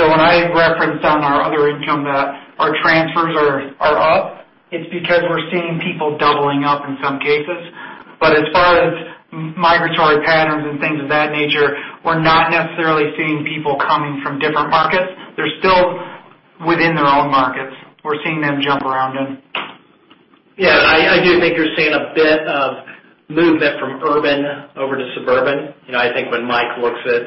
When I referenced on our other income that our transfers are up, it's because we're seeing people doubling up in some cases. As far as migratory patterns and things of that nature, we're not necessarily seeing people coming from different markets. They're still within their own markets. We're seeing them jump around them. Yeah, I do think you're seeing a bit of movement from urban over to suburban. I think when Mike Lacy looks at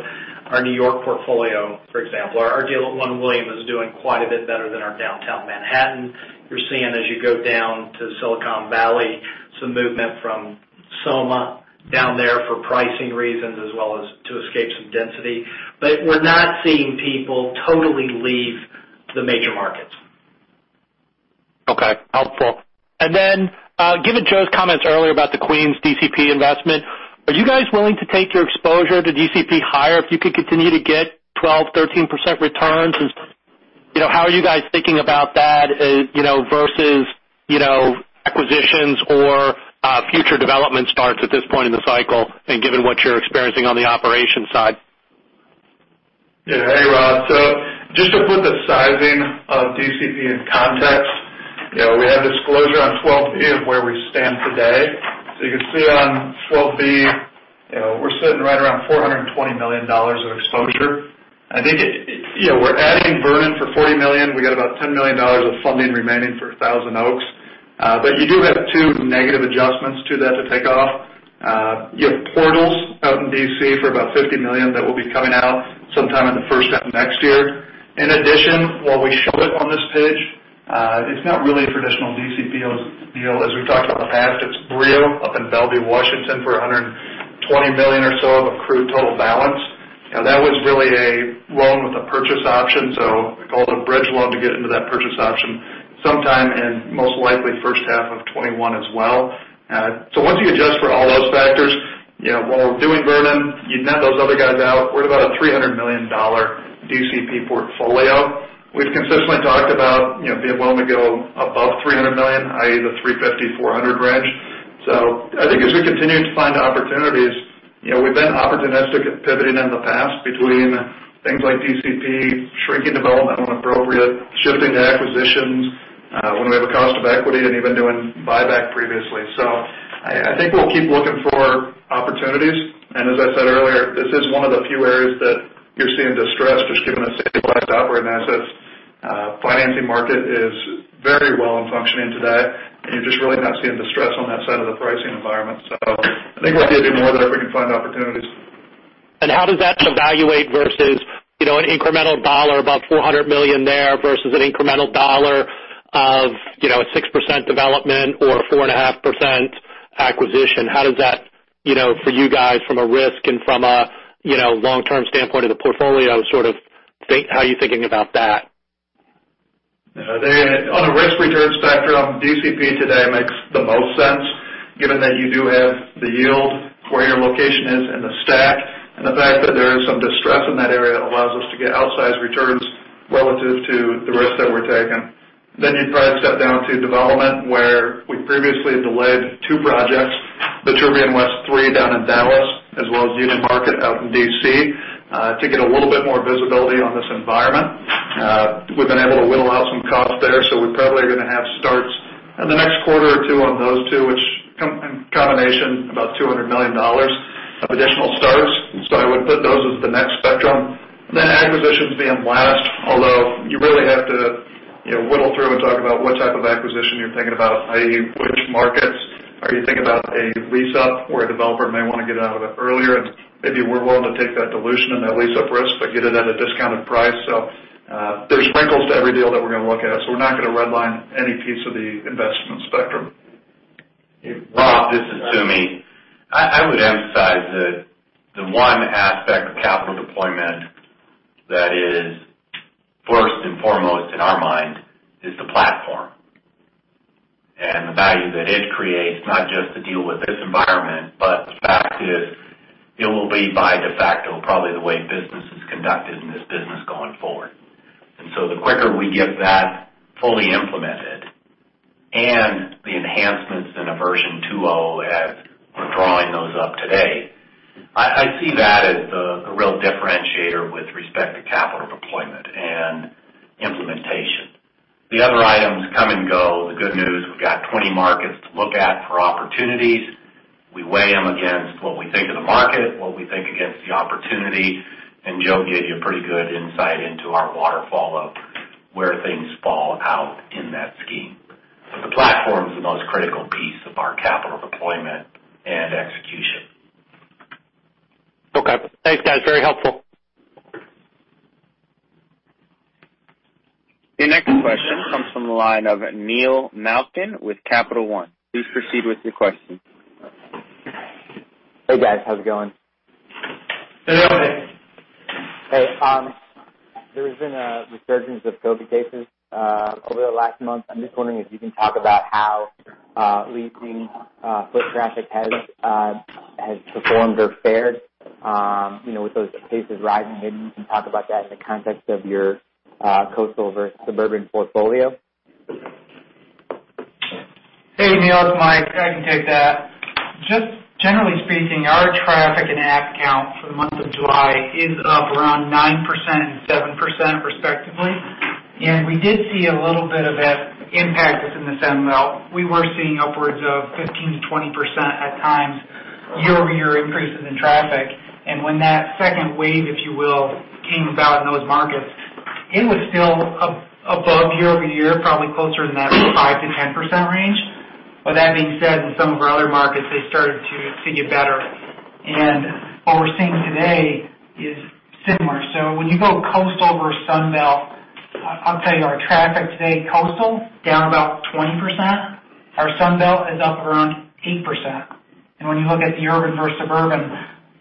our New York portfolio, for example, our deal at One William is doing quite a bit better than our downtown Manhattan. You're seeing as you go down to Silicon Valley, some movement from SoMa down there for pricing reasons as well as to escape some density. We're not seeing people totally leave the major markets. Okay. Helpful. Given Joe's comments earlier about the Queens DCP investment, are you guys willing to take your exposure to DCP higher if you could continue to get 12, 13% returns? How are you guys thinking about that versus acquisitions or future development starts at this point in the cycle and given what you're experiencing on the operations side? Hey, Rob. Just to put the sizing of DCP in context, we have disclosure on 12B of where we stand today. You can see on 12B, we're sitting right around $420 million of exposure. We're adding Vernon for $40 million. We got about $10 million of funding remaining for Thousand Oaks. You do have two negative adjustments to that to take off. You have Portals out in D.C. for about $50 million that will be coming out sometime in the first half of next year. In addition, while we show it on this page, it's not really a traditional DCP deal as we've talked about in the past. It's Brio up in Bellevue, Washington, for $120 million or so of accrued total balance. That was really a loan with a purchase option. We called a bridge loan to get into that purchase option sometime in most likely first half of 2021 as well. Once you adjust for all those factors, while we're doing Vernon, you net those other guys out, we're at about a $300 million DCP portfolio. We've consistently talked about being willing to go above $300 million, i.e. the $350 million-$400 million range. I think as we continue to find opportunities, we've been opportunistic at pivoting in the past between things like DCP, shrinking development when appropriate, shifting to acquisitions when we have a cost of equity, and even doing buyback previously. I think we'll keep looking for opportunities. As I said earlier, this is one of the few areas that you're seeing distress just given the stabilized operating assetsFinancing market is very well and functioning today. You're just really not seeing distress on that side of the pricing environment. I think we'll do more of it if we can find opportunities. How does that evaluate versus an incremental dollar above $400 million there versus an incremental dollar of a 6% development or a 4.5% acquisition? How does that, for you guys, from a risk and from a long-term standpoint of the portfolio, sort of how are you thinking about that? On a risk-return spectrum, DCP today makes the most sense, given that you do have the yield where your location is in the stack, and the fact that there is some distress in that area allows us to get outsized returns relative to the risk that we're taking. You'd probably step down to development, where we previously delayed two projects, the Vitruvian West three down in Dallas, as well as Union Market out in D.C., to get a little bit more visibility on this environment. We've been able to whittle out some costs there, we probably are going to have starts in the next quarter or two on those two, which in combination, about $200 million of additional starts. I would put those as the next spectrum. Acquisitions being last, although you really have to whittle through and talk about what type of acquisition you're thinking about, i.e., which markets are you thinking about a lease up where a developer may want to get out of it earlier, and maybe we're willing to take that dilution and that lease-up risk, but get it at a discounted price. There's wrinkles to every deal that we're going to look at. We're not going to redline any piece of the investment spectrum. Rob, this is Tom. I would emphasize that the one aspect of capital deployment that is first and foremost in our mind is the platform and the value that it creates, not just to deal with this environment, but the fact is it will be by de facto probably the way business is conducted in this business going forward. The quicker we get that fully implemented and the enhancements in a version 2.0 as we're drawing those up today, I see that as a real differentiator with respect to capital deployment and implementation. The other items come and go. The good news, we've got 20 markets to look at for opportunities. We weigh them against what we think of the market, what we think against the opportunity, and Joe gave you a pretty good insight into our waterfall of where things fall out in that scheme. The platform is the most critical piece of our capital deployment and execution. Okay. Thanks, guys. Very helpful. Your next question comes from the line of Neil Malkin with Capital One. Please proceed with your question. Hey, guys. How's it going? Hey, Neil. Hey. There's been a resurgence of COVID cases over the last month. I'm just wondering if you can talk about how leasing foot traffic has performed or fared with those cases rising? Maybe you can talk about that in the context of your coastal versus suburban portfolio? Hey, Neil, it's Mike. I can take that. Just generally speaking, our traffic and app count for the month of July is up around 9% and 7%, respectively. We did see a little bit of that impact within the Sun Belt. We were seeing upwards of 15%-20% at times, year-over-year increases in traffic. When that second wave, if you will, came about in those markets, it was still above year-over-year, probably closer to that 5%-10% range. That being said, in some of our other markets, they started to get better. What we're seeing today is similar. When you go coast over Sun Belt, I'll tell you, our traffic today, coastal, down about 20%. Our Sun Belt is up around 8%. When you look at the urban versus suburban,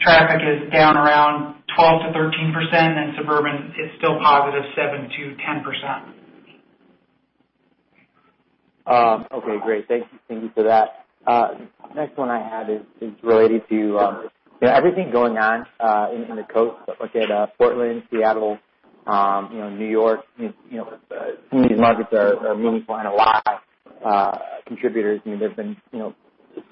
traffic is down around 12%-13%, and suburban is still positive 7%-10%. Okay, great. Thank you for that. Next one I had is related to everything going on in the coast, looking at Portland, Seattle, New York. Some of these markets are meaningfully in a lot. Contributors, there's been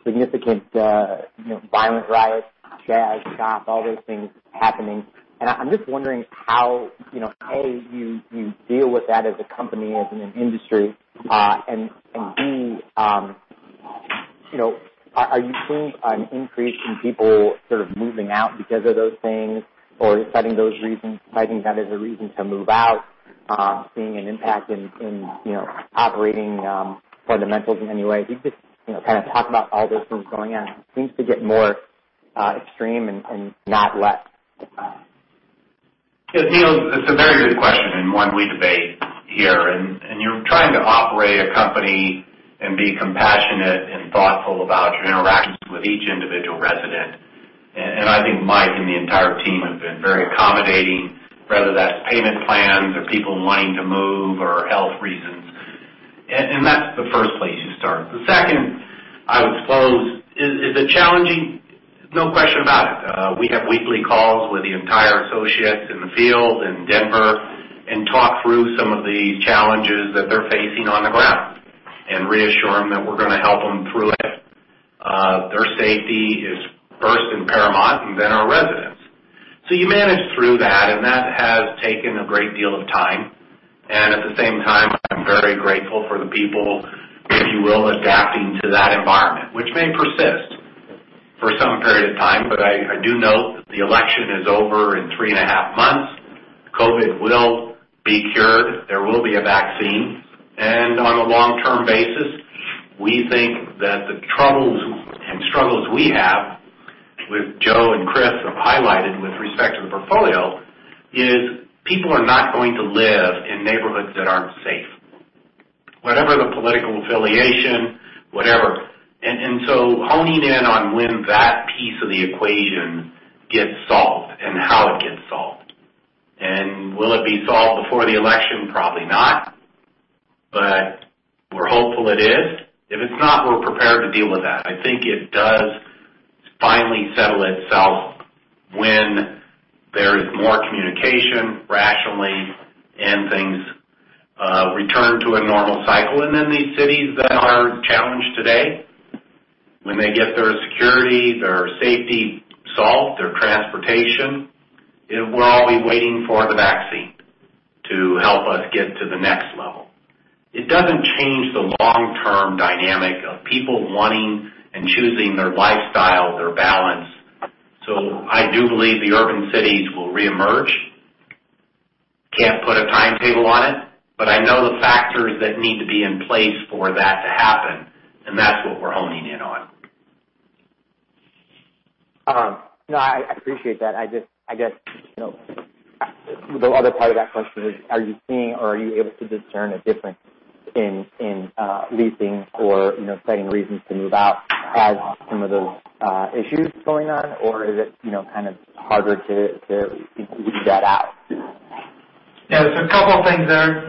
significant violent riots, CHAZ, CHOP, all those things happening. I'm just wondering how, A, you deal with that as a company, as an industry, and B, are you seeing an increase in people sort of moving out because of those things or citing that as a reason to move out, seeing an impact in operating fundamentals in any way? Can you just kind of talk about all those things going on? It seems to get more extreme and not less. Yeah, Neil, it's a very good question. One we debate here, you're trying to operate a company and be compassionate and thoughtful about your interactions with each individual resident. I think Mike and the entire team have been very accommodating, whether that's payment plans or people wanting to move or health reasons. That's the first place you start. The second, I would suppose, is it challenging? No question about it. We have weekly calls with the entire associates in the field in Denver, talk through some of the challenges that they're facing on the ground, reassure them that we're going to help them through it. Their safety is first and paramount, then our residents. You manage through that has taken a great deal of time. At the same time, I'm very grateful for the people, if you will, adapting to that environment, which may persist for some period of time. I do note that the election is over in three and a half months. COVID will be cured. There will be a vaccine. On a long-term basis, we think that the troubles and struggles we have, with Joe and Chris have highlighted with respect to the portfolio, is people are not going to live in neighborhoods that aren't safe, whatever the political affiliation, whatever. So honing in on when that piece of the equation gets solved and how it gets solved. Will it be solved before the election? Probably not. We're hopeful it is. If it's not, we're prepared to deal with that. I think it does finally settle itself when there is more communication rationally and things return to a normal cycle. These cities that are challenged today, when they get their security, their safety solved, their transportation, we'll all be waiting for the vaccine to help us get to the next level. It doesn't change the long-term dynamic of people wanting and choosing their lifestyle, their balance. I do believe the urban cities will reemerge. Can't put a timetable on it, but I know the factors that need to be in place for that to happen, and that's what we're honing in on. I appreciate that. I guess, the other part of that question is, are you seeing or are you able to discern a difference in leasing or citing reasons to move out as some of those issues going on? Or is it kind of harder to read that out? Yeah, there's a couple things there.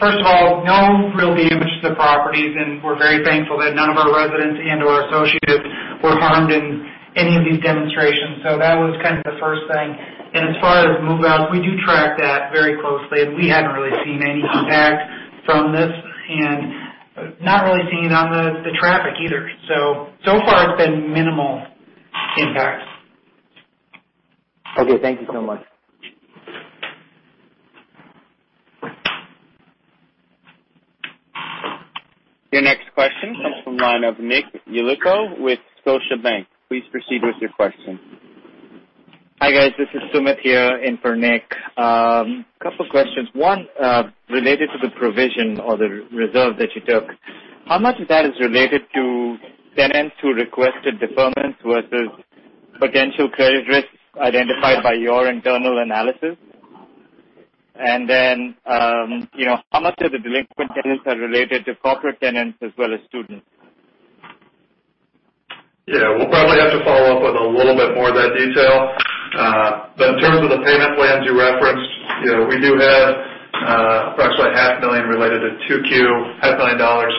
First of all, no real damage to the properties, and we're very thankful that none of our residents and/or associates were harmed in any of these demonstrations. That was kind of the first thing. As far as move-outs, we do track that very closely, and we haven't really seen any impact from this, and not really seeing it on the traffic either. So far it's been minimal impact. Okay. Thank you so much. Your next question comes from the line of Nick Yulico with Scotiabank. Please proceed with your question. Hi, guys. This is Sumit here in for Nick. Couple questions. One related to the provision or the reserve that you took. How much of that is related to tenants who requested deferments versus potential credit risks identified by your internal analysis? How much of the delinquent tenants are related to corporate tenants as well as students? Yeah, we'll probably have to follow up with a little bit more of that detail. In terms of the payment plans you referenced, we do have approximately half a million related to 2Q, half a million dollars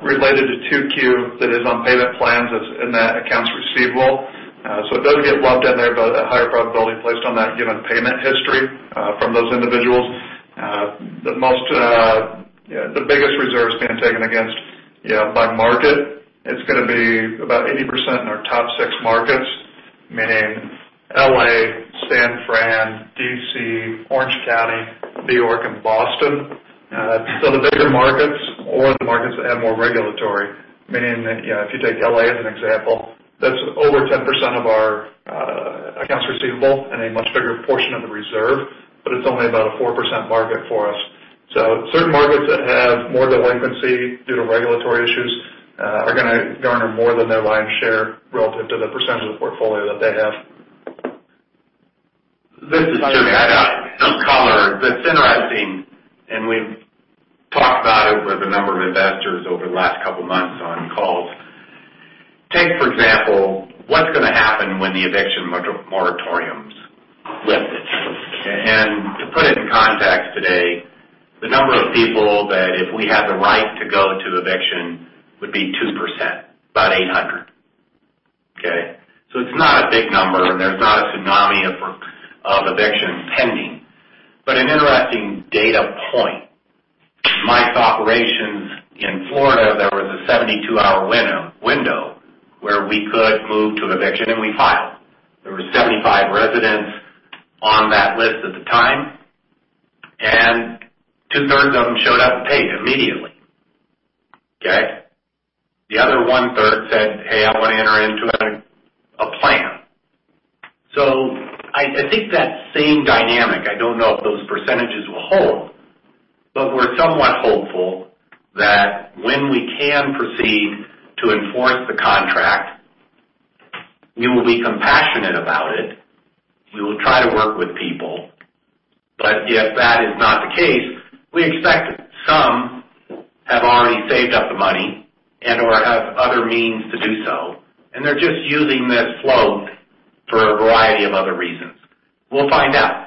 related to 2Q that is on payment plans that's in that accounts receivable. It does get lumped in there by the higher probability placed on that given payment history from those individuals. The biggest reserve's being taken against by market. It's going to be about 80% in our top six markets, meaning L.A., San Fran, D.C., Orange County, New York, and Boston. The bigger markets or the markets that have more regulatory, meaning that if you take L.A. as an example, that's over 10% of our accounts receivable and a much bigger portion of the reserve, but it's only about a 4% market for us. Certain markets that have more delinquency due to regulatory issues are going to garner more than their lion's share relative to the percentage of the portfolio that they have. This is Tom. To add some color. It's interesting, we've talked about it with a number of investors over the last couple of months on calls. Take for example, what's going to happen when the eviction moratoriums lift? To put it in context today, the number of people that if we had the right to go to eviction would be 2%, about 800. Okay. It's not a big number, and there's not a tsunami of evictions pending. An interesting data point. Mike's operations in Florida, there was a 72-hour window where we could move to eviction, and we filed. There were 75 residents on that list at the time, and two-thirds of them showed up to pay immediately. Okay. The other one-third said, "Hey, I want to enter into a plan." I think that same dynamic, I don't know if those percentages will hold, but we're somewhat hopeful that when we can proceed to enforce the contract, we will be compassionate about it. We will try to work with people. If that is not the case, we expect some have already saved up the money and/or have other means to do so, and they're just using this float for a variety of other reasons. We'll find out.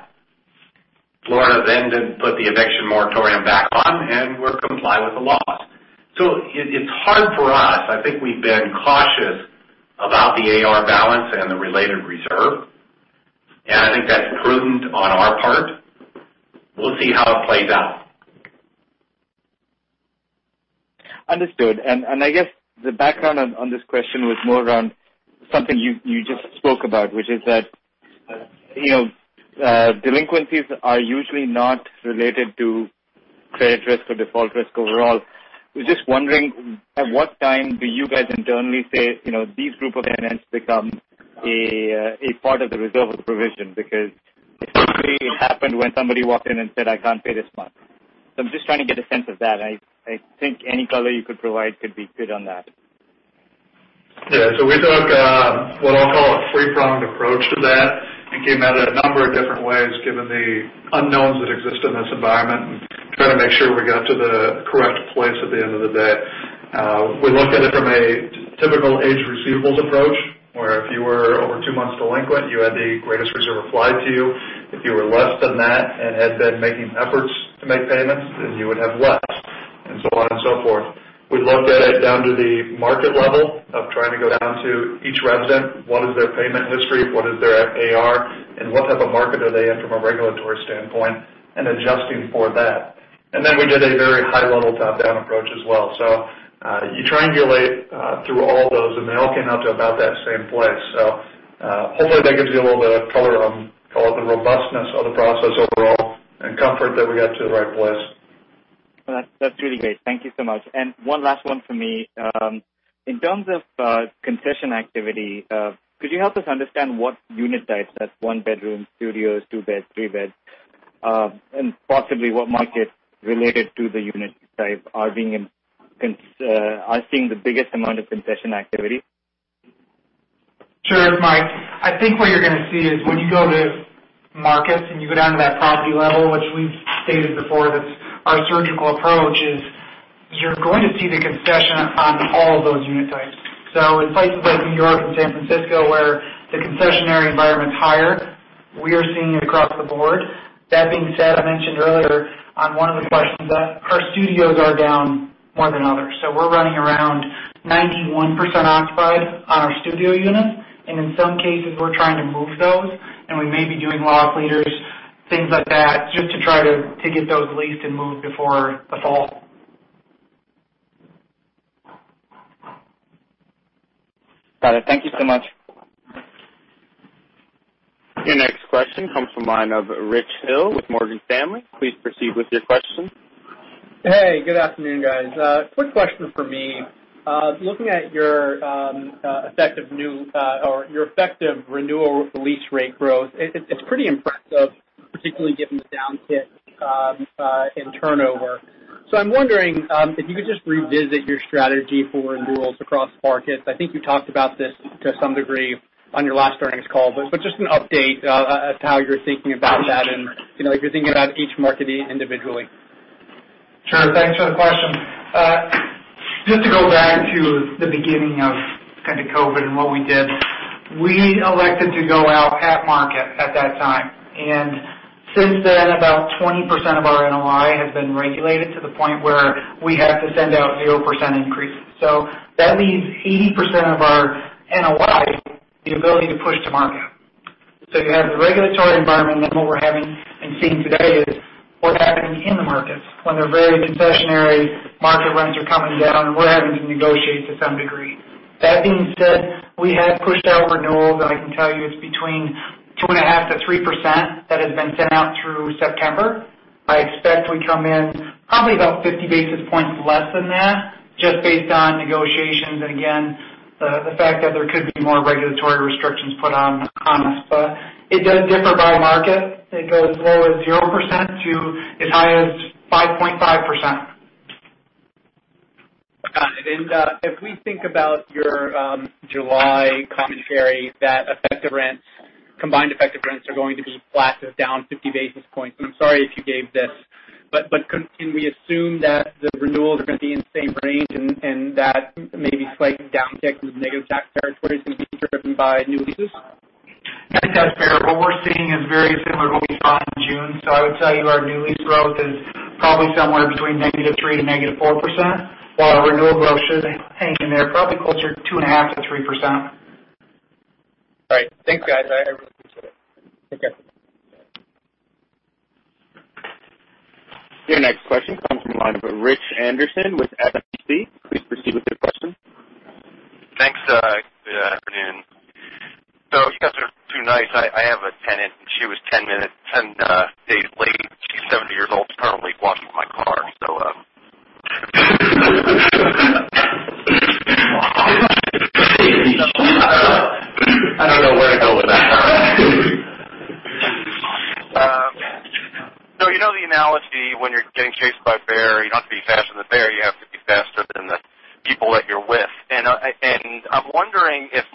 Florida did put the eviction moratorium back on, and we'll comply with the laws. It's hard for us. I think we've been cautious about the AR balance and the related reserve, and I think that's prudent on our part. We'll see how it plays out. Understood. I guess the background on this question was more around something you just spoke about, which is that Delinquencies are usually not related to credit risk or default risk overall. We're just wondering, at what time do you guys internally say, these group of tenants become a part of the reserve provision? Because essentially it happened when somebody walked in and said, "I can't pay this month." I'm just trying to get a sense of that, and I think any color you could provide could be good on that. We took what I'll call a three-pronged approach to that and came at it a number of different ways, given the unknowns that exist in this environment, and tried to make sure we got to the correct place at the end of the day. We looked at it from a typical aged receivables approach, where if you were over two months delinquent, you had the greatest reserve applied to you. If you were less than that and had been making efforts to make payments, you would have less, and so on and so forth. We looked at it down to the market level of trying to go down to each resident, what is their payment history, what is their AR, and what type of market are they in from a regulatory standpoint, and adjusting for that. We did a very high-level top-down approach as well. You triangulate through all those, and they all came out to about that same place. Hopefully that gives you a little bit of color on call it the robustness of the process overall and comfort that we got to the right place. That's really great. Thank you so much. One last one from me. In terms of concession activity, could you help us understand what unit types, that's one bedroom, studios, two beds, three beds, and possibly what markets related to the unit type are seeing the biggest amount of concession activity? Sure, Mike. I think what you're going to see is when you go to markets and you go down to that property level, which we've stated before, that our surgical approach is you're going to see the concession on all of those unit types. In places like New York and San Francisco, where the concessionary environment's higher, we are seeing it across the board. That being said, I mentioned earlier on one of the questions that our studios are down more than others. We're running around 91% occupied on our studio units, and in some cases, we're trying to move those, and we may be doing loss leaders, things like that, just to try to get those leased and moved before the fall. Got it. Thank you so much. Your next question comes from the line of Rich Hill with Morgan Stanley. Please proceed with your question. Hey, good afternoon, guys. Quick question from me. Looking at your effective new or your effective renewal lease rate growth, it's pretty impressive, particularly given the down tick in turnover. I'm wondering if you could just revisit your strategy for renewals across markets? I think you talked about this to some degree on your last earnings call, but just an update as to how you're thinking about that and if you're thinking about each market individually. Sure. Thanks for the question. Just to go back to the beginning of kind of COVID and what we did, we elected to go out at market at that time, and since then, about 20% of our NOI has been regulated to the point where we have to send out 0% increases. That leaves 80% of our NOI, the ability to push to market. You have the regulatory environment, and what we're having and seeing today is what's happening in the markets. When they're very concessionary, market rents are coming down, and we're having to negotiate to some degree. That being said, we have pushed out renewals, and I can tell you it's between 2.5%-3% that has been sent out through September. I expect we come in probably about 50 basis points less than that, just based on negotiations and again, the fact that there could be more regulatory restrictions put on us. It does differ by market. It goes as low as 0% to as high as 5.5%. Got it. If we think about your July commentary, that combined effective rents are going to be flat to down 50 basis points, and I'm sorry if you gave this, but can we assume that the renewals are going to be in the same range and that maybe slight down tick with negative tax territory is going to be driven by new leases? I think that's fair. What we're seeing is very similar to what we saw in June. I would tell you our new lease growth is probably somewhere between -3% to -4%, while our renewal growth should hang in there probably closer to 2.5%-3%. All right. Thanks, guys. I really appreciate it. Okay. Your next question comes from the line of Rich Anderson with RBC. Please proceed with your question. Thanks. Good afternoon. You guys are too nice. I have a tenant, and she was 10 days late. She's 70 years old, currently walking my car, so I don't know where to go with that. You know the analogy when you're getting chased by a bear, you don't have to be faster than the bear, you have to be faster than the people that you're with. I'm wondering if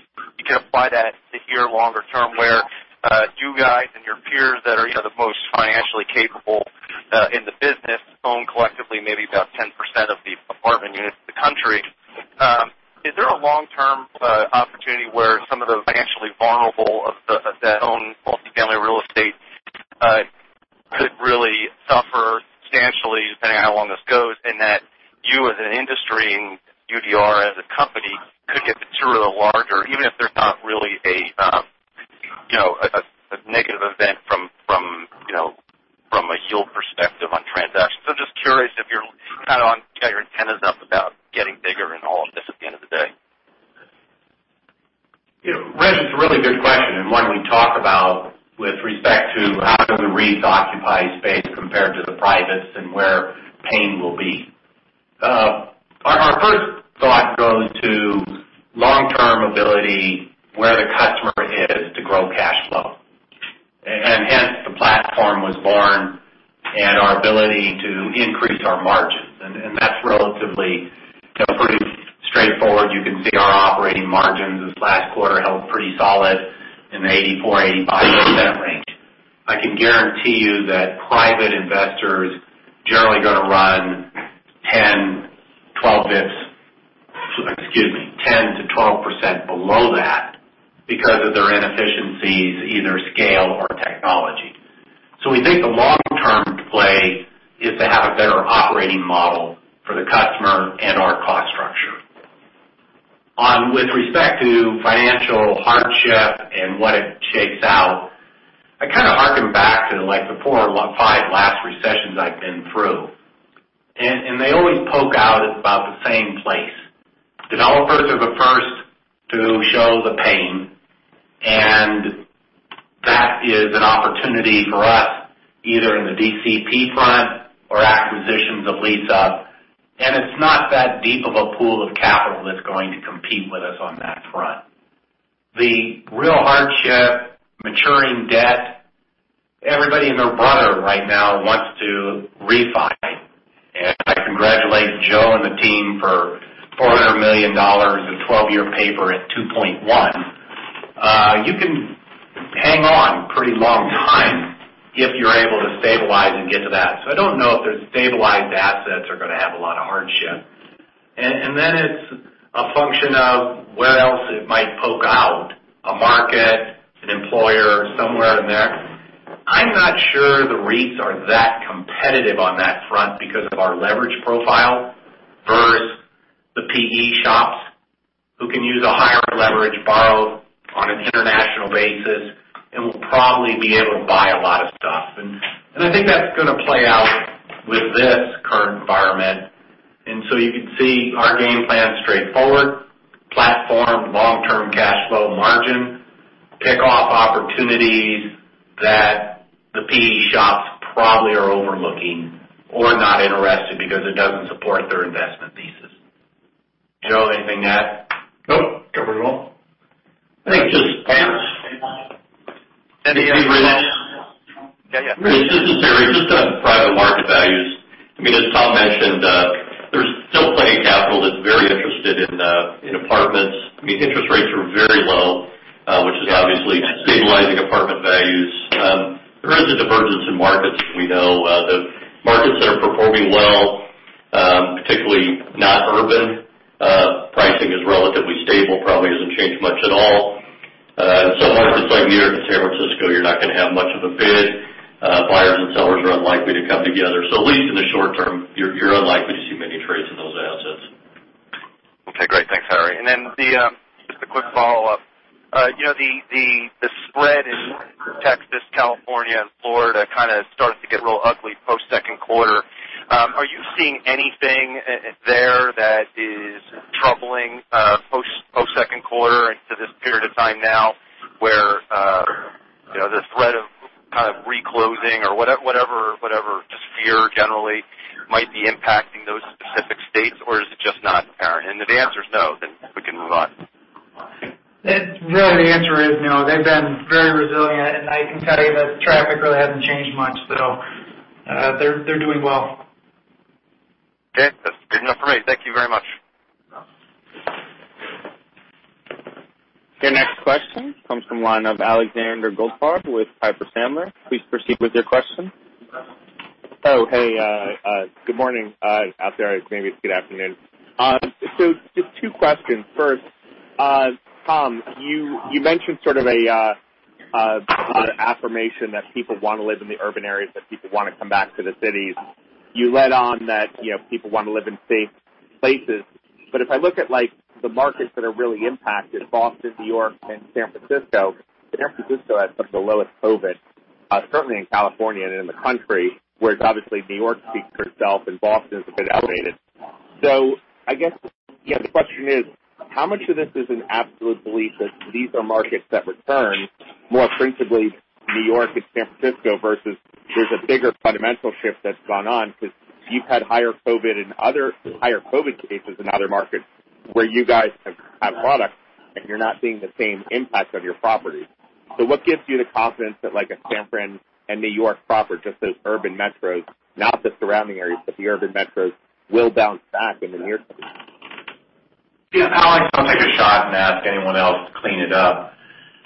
same place. Developers are the first to show the pain, and that is an opportunity for us, either in the DCP front or acquisitions of lease up. It's not that deep of a pool of capital that's going to compete with us on that front. The real hardship, maturing debt. Everybody and their brother right now wants to refi. I congratulate Joe and the team for $400 million in 12-year paper at 2.1. You can hang on pretty long time if you're able to stabilize and get to that. I don't know if their stabilized assets are going to have a lot of hardship. Then it's a function of where else it might poke out. A market, an employer, somewhere in there. I'm not sure the REITs are that competitive on that front because of our leverage profile versus the PE shops who can use a higher leverage borrow on an international basis and will probably be able to buy a lot of stuff. I think that's going to play out with this current environment. So you can see our game plan is straightforward. Platform, long-term cash flow margin, pick off opportunities that the PE shops probably are overlooking or not interested because it doesn't support their investment thesis. Joe, anything to add? Nope. Covered it all. I think just- Anything you want to add? This is Harry, just on private market values. As Tom mentioned, there's still plenty of capital that's very interested in apartments. Interest rates are very low, which is obviously stabilizing apartment values. There is a divergence in markets, as we know. The markets that are performing well, particularly not urban, pricing is relatively stable, probably hasn't changed much at all. In some markets like near San Francisco, you're not going to have much of a bid. Buyers and sellers are unlikely to come together. At least in the short term, you're unlikely to see many trades in those assets. Okay, great. Thanks, Harry. Just a quick follow-up. The spread in Texas, California, and Florida kind of starts to get real ugly post second quarter. Are you seeing anything there that is troubling post second quarter into this period of time now where the threat of kind of reclosing or whatever, just fear generally might be impacting those specific states? Or is it just not apparent? If the answer's no, then we can move on. Really, the answer is no. They've been very resilient, and I can tell you that traffic really hasn't changed much. They're doing well. Okay. That's good enough for me. Thank you very much. Your next question comes from the line of Alexander Goldfarb with Piper Sandler. Please proceed with your question. Oh, hey. Good morning out there. Maybe it's good afternoon. Just two questions. First, Tom, you mentioned sort of an affirmation that people want to live in the urban areas, that people want to come back to the cities. You led on that people want to live in safe places. If I look at the markets that are really impacted, Boston, New York, and San Francisco, San Francisco has some of the lowest COVID, certainly in California and in the country, whereas obviously New York speaks for itself and Boston's a bit elevated. I guess the question is, how much of this is an absolute belief that these are markets that return, more principally New York and San Francisco, versus there's a bigger fundamental shift that's gone on because you've had higher COVID cases in other markets where you guys have products, and you're not seeing the same impact on your properties. What gives you the confidence that like a San Fran and New York proper, just those urban metros, not the surrounding areas, but the urban metros will bounce back in the near term? Alex, I'll take a shot and ask anyone else to clean it up.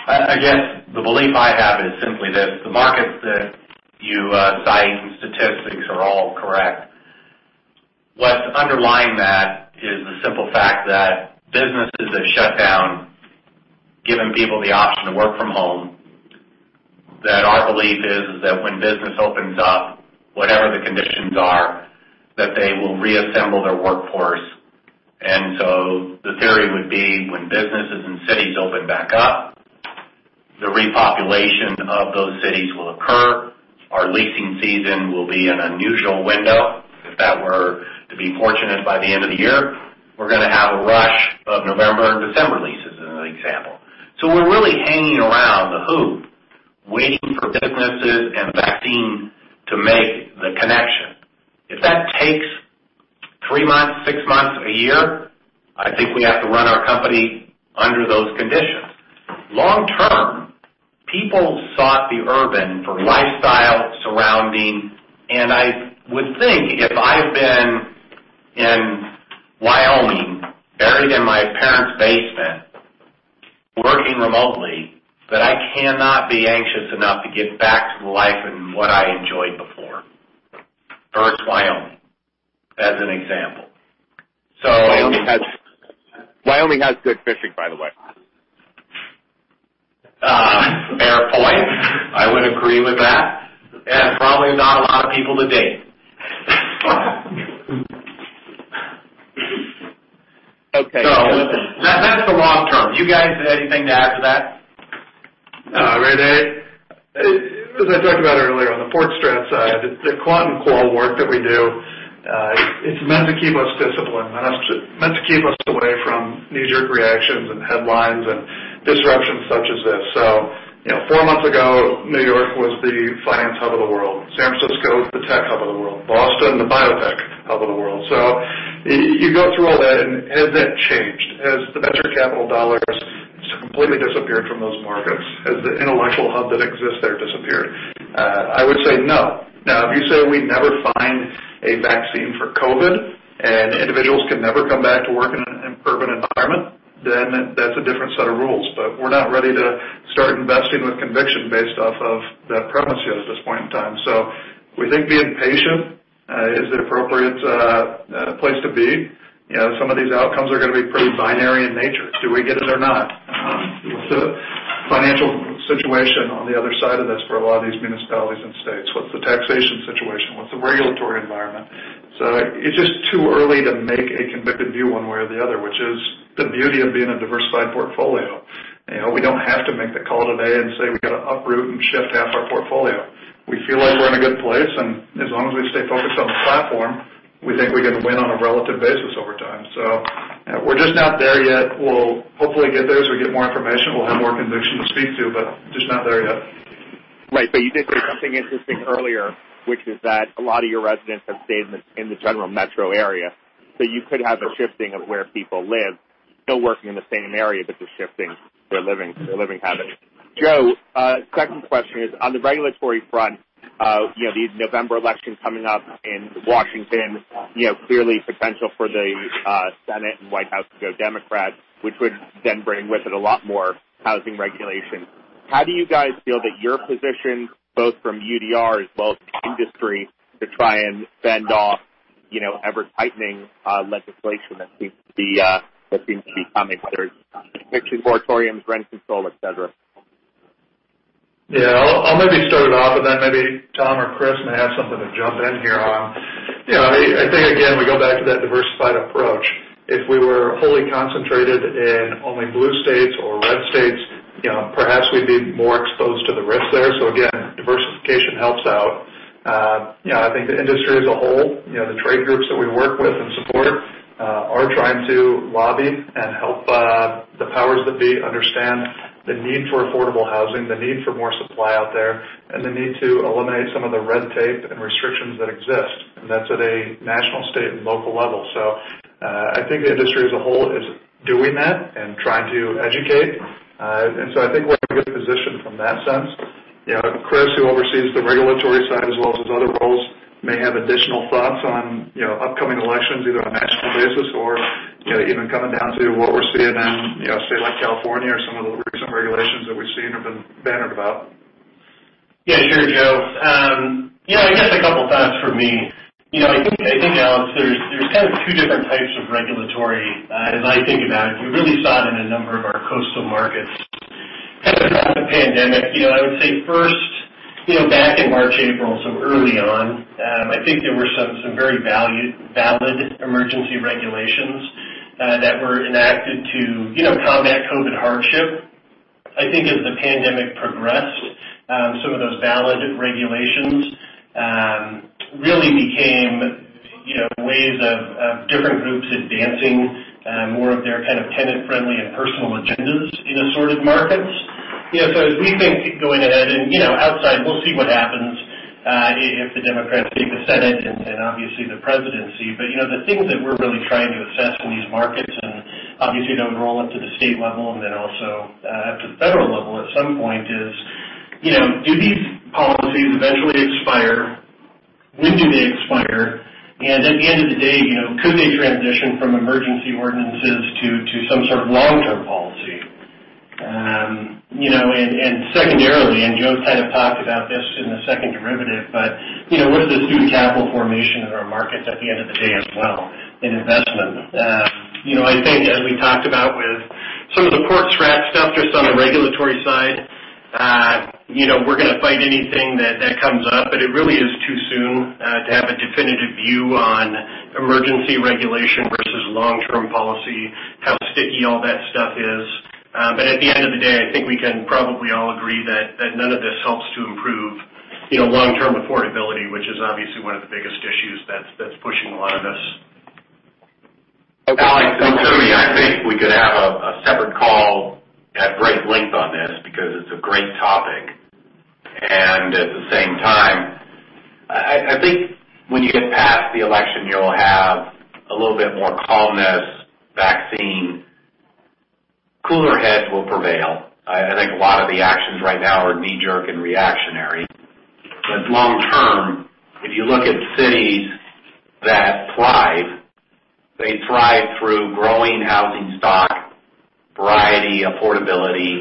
I guess the belief I have is simply this. The markets that you cite and statistics are all correct. What's underlying that is the simple fact that businesses that shut down, giving people the option to work from home, that our belief is that when business opens up, whatever the conditions are, that they will reassemble their workforce. The theory would be when businesses and cities open back up The repopulation of those cities will occur. Our leasing season will be an unusual window. If that were to be fortunate by the end of the year, we're going to have a rush of November and December leases, as an example. We're really hanging around the hoop waiting for businesses and vaccine to make the connection. If that takes three months, six months, one year, I think we have to run our company under those conditions. Long term, people sought the urban for lifestyle surrounding, and I would think if I've been in Wyoming, buried in my parents' basement, working remotely, that I cannot be anxious enough to get back to the life and what I enjoyed before. It's Wyoming, as an example. Wyoming has good fishing, by the way. Fair point. I would agree with that. Probably not a lot of people to date. Okay. That's the long term. You guys, anything to add to that? No, Right. As I talked about earlier, on the PortStrat side, the quant model work that we do, it's meant to keep us disciplined, meant to keep us away from knee-jerk reactions and headlines and disruptions such as this. Four months ago, New York was the finance hub of the world. San Francisco, the tech hub of the world. Boston, the biotech hub of the world. You go through all that, and has that changed? Has the venture capital dollars completely disappeared from those markets? Has the intellectual hub that exists there disappeared? I would say no. Now, if you say we never find a vaccine for COVID, and individuals can never come back to work in an urban environment, then that's a different set of rules. We're not ready to start investing with conviction based off of that premise yet at this point in time. We think being patient is an appropriate place to be. Some of these outcomes are going to be pretty binary in nature. Do we get it or not? What's the financial situation on the other side of this for a lot of these municipalities and states? What's the taxation situation? What's the regulatory environment? It's just too early to make a convicted view one way or the other, which is the beauty of being a diversified portfolio. We don't have to make the call today and say we've got to uproot and shift half our portfolio. We feel like we're in a good place, and as long as we stay focused on the platform, we think we can win on a relative basis over time. We're just not there yet. We'll hopefully get there as we get more information. We'll have more conviction to speak to, but just not there yet. Right. You did say something interesting earlier, which is that a lot of your residents have stayed in the general metro area. You could have a shifting of where people live, still working in the same area, but they're shifting their living habits. Joe, second question is, on the regulatory front, the November election coming up in Washington, clearly potential for the Senate and White House to go Democrat, which would then bring with it a lot more housing regulation. How do you guys feel that you're positioned, both from UDR as well as the industry, to try and fend off ever-tightening legislation that seems to be coming, whether it's eviction moratoriums, rent control, et cetera? Yeah. I'll maybe start it off, Tom or Chris may have something to jump in here on. I think, again, we go back to that diversified approach. If we were wholly concentrated in only blue states or red states, perhaps we'd be more exposed to the risks there. Again, diversification helps out. I think the industry as a whole, the trade groups that we work with and support, are trying to lobby and help the powers that be understand the need for affordable housing, the need for more supply out there, and the need to eliminate some of the red tape and restrictions that exist, and that's at a national, state, and local level. I think the industry as a whole is doing that and trying to educate. I think we're in a good position from that sense. Chris, who oversees the regulatory side as well as his other roles, may have additional thoughts on upcoming elections, either on a national basis or even coming down to what we're seeing in a state like California or some of the recent regulations that we've seen or been bandied about. Yeah, sure, Joe. I guess a couple things for me. I think, Alex, there's kind of two different types of regulatory as I think about it. We really saw it in a number of our coastal markets kind of throughout the pandemic. I would say first, back in March, April, so early on, I think there were some very valid emergency regulations that were enacted to combat COVID hardship. I think as the pandemic progressed, some of those valid regulations really became ways of different groups advancing more of their kind of tenant-friendly and personal agendas in assorted markets. As we think going ahead and outside, we'll see what happens, if the Democrats take the Senate and then obviously the presidency. The things that we're really trying to assess in these markets, and obviously it will roll up to the state level and then also up to the federal level at some point, is do these policies eventually expire? When do they expire? At the end of the day, could they transition from emergency ordinances to some sort of long-term policy? Secondarily, Joe's kind of talked about this in the second derivative, what does this do to capital formation in our markets at the end of the day as well in investment? I think as we talked about with some of the PortStrat stuff, just on the regulatory side, we're going to fight anything that comes up, but it really is too soon to have a definitive view on Emergency regulation versus long-term policy, how sticky all that stuff is. At the end of the day, I think we can probably all agree that none of this helps to improve long-term affordability, which is obviously one of the biggest issues that's pushing a lot of this. Alex, to me, I think we could have a separate call at great length on this because it's a great topic. At the same time, I think when you get past the election, you'll have a little bit more calmness, vaccine, cooler heads will prevail. I think a lot of the actions right now are knee-jerk and reactionary. Long term, if you look at cities that thrive, they thrive through growing housing stock, variety, affordability,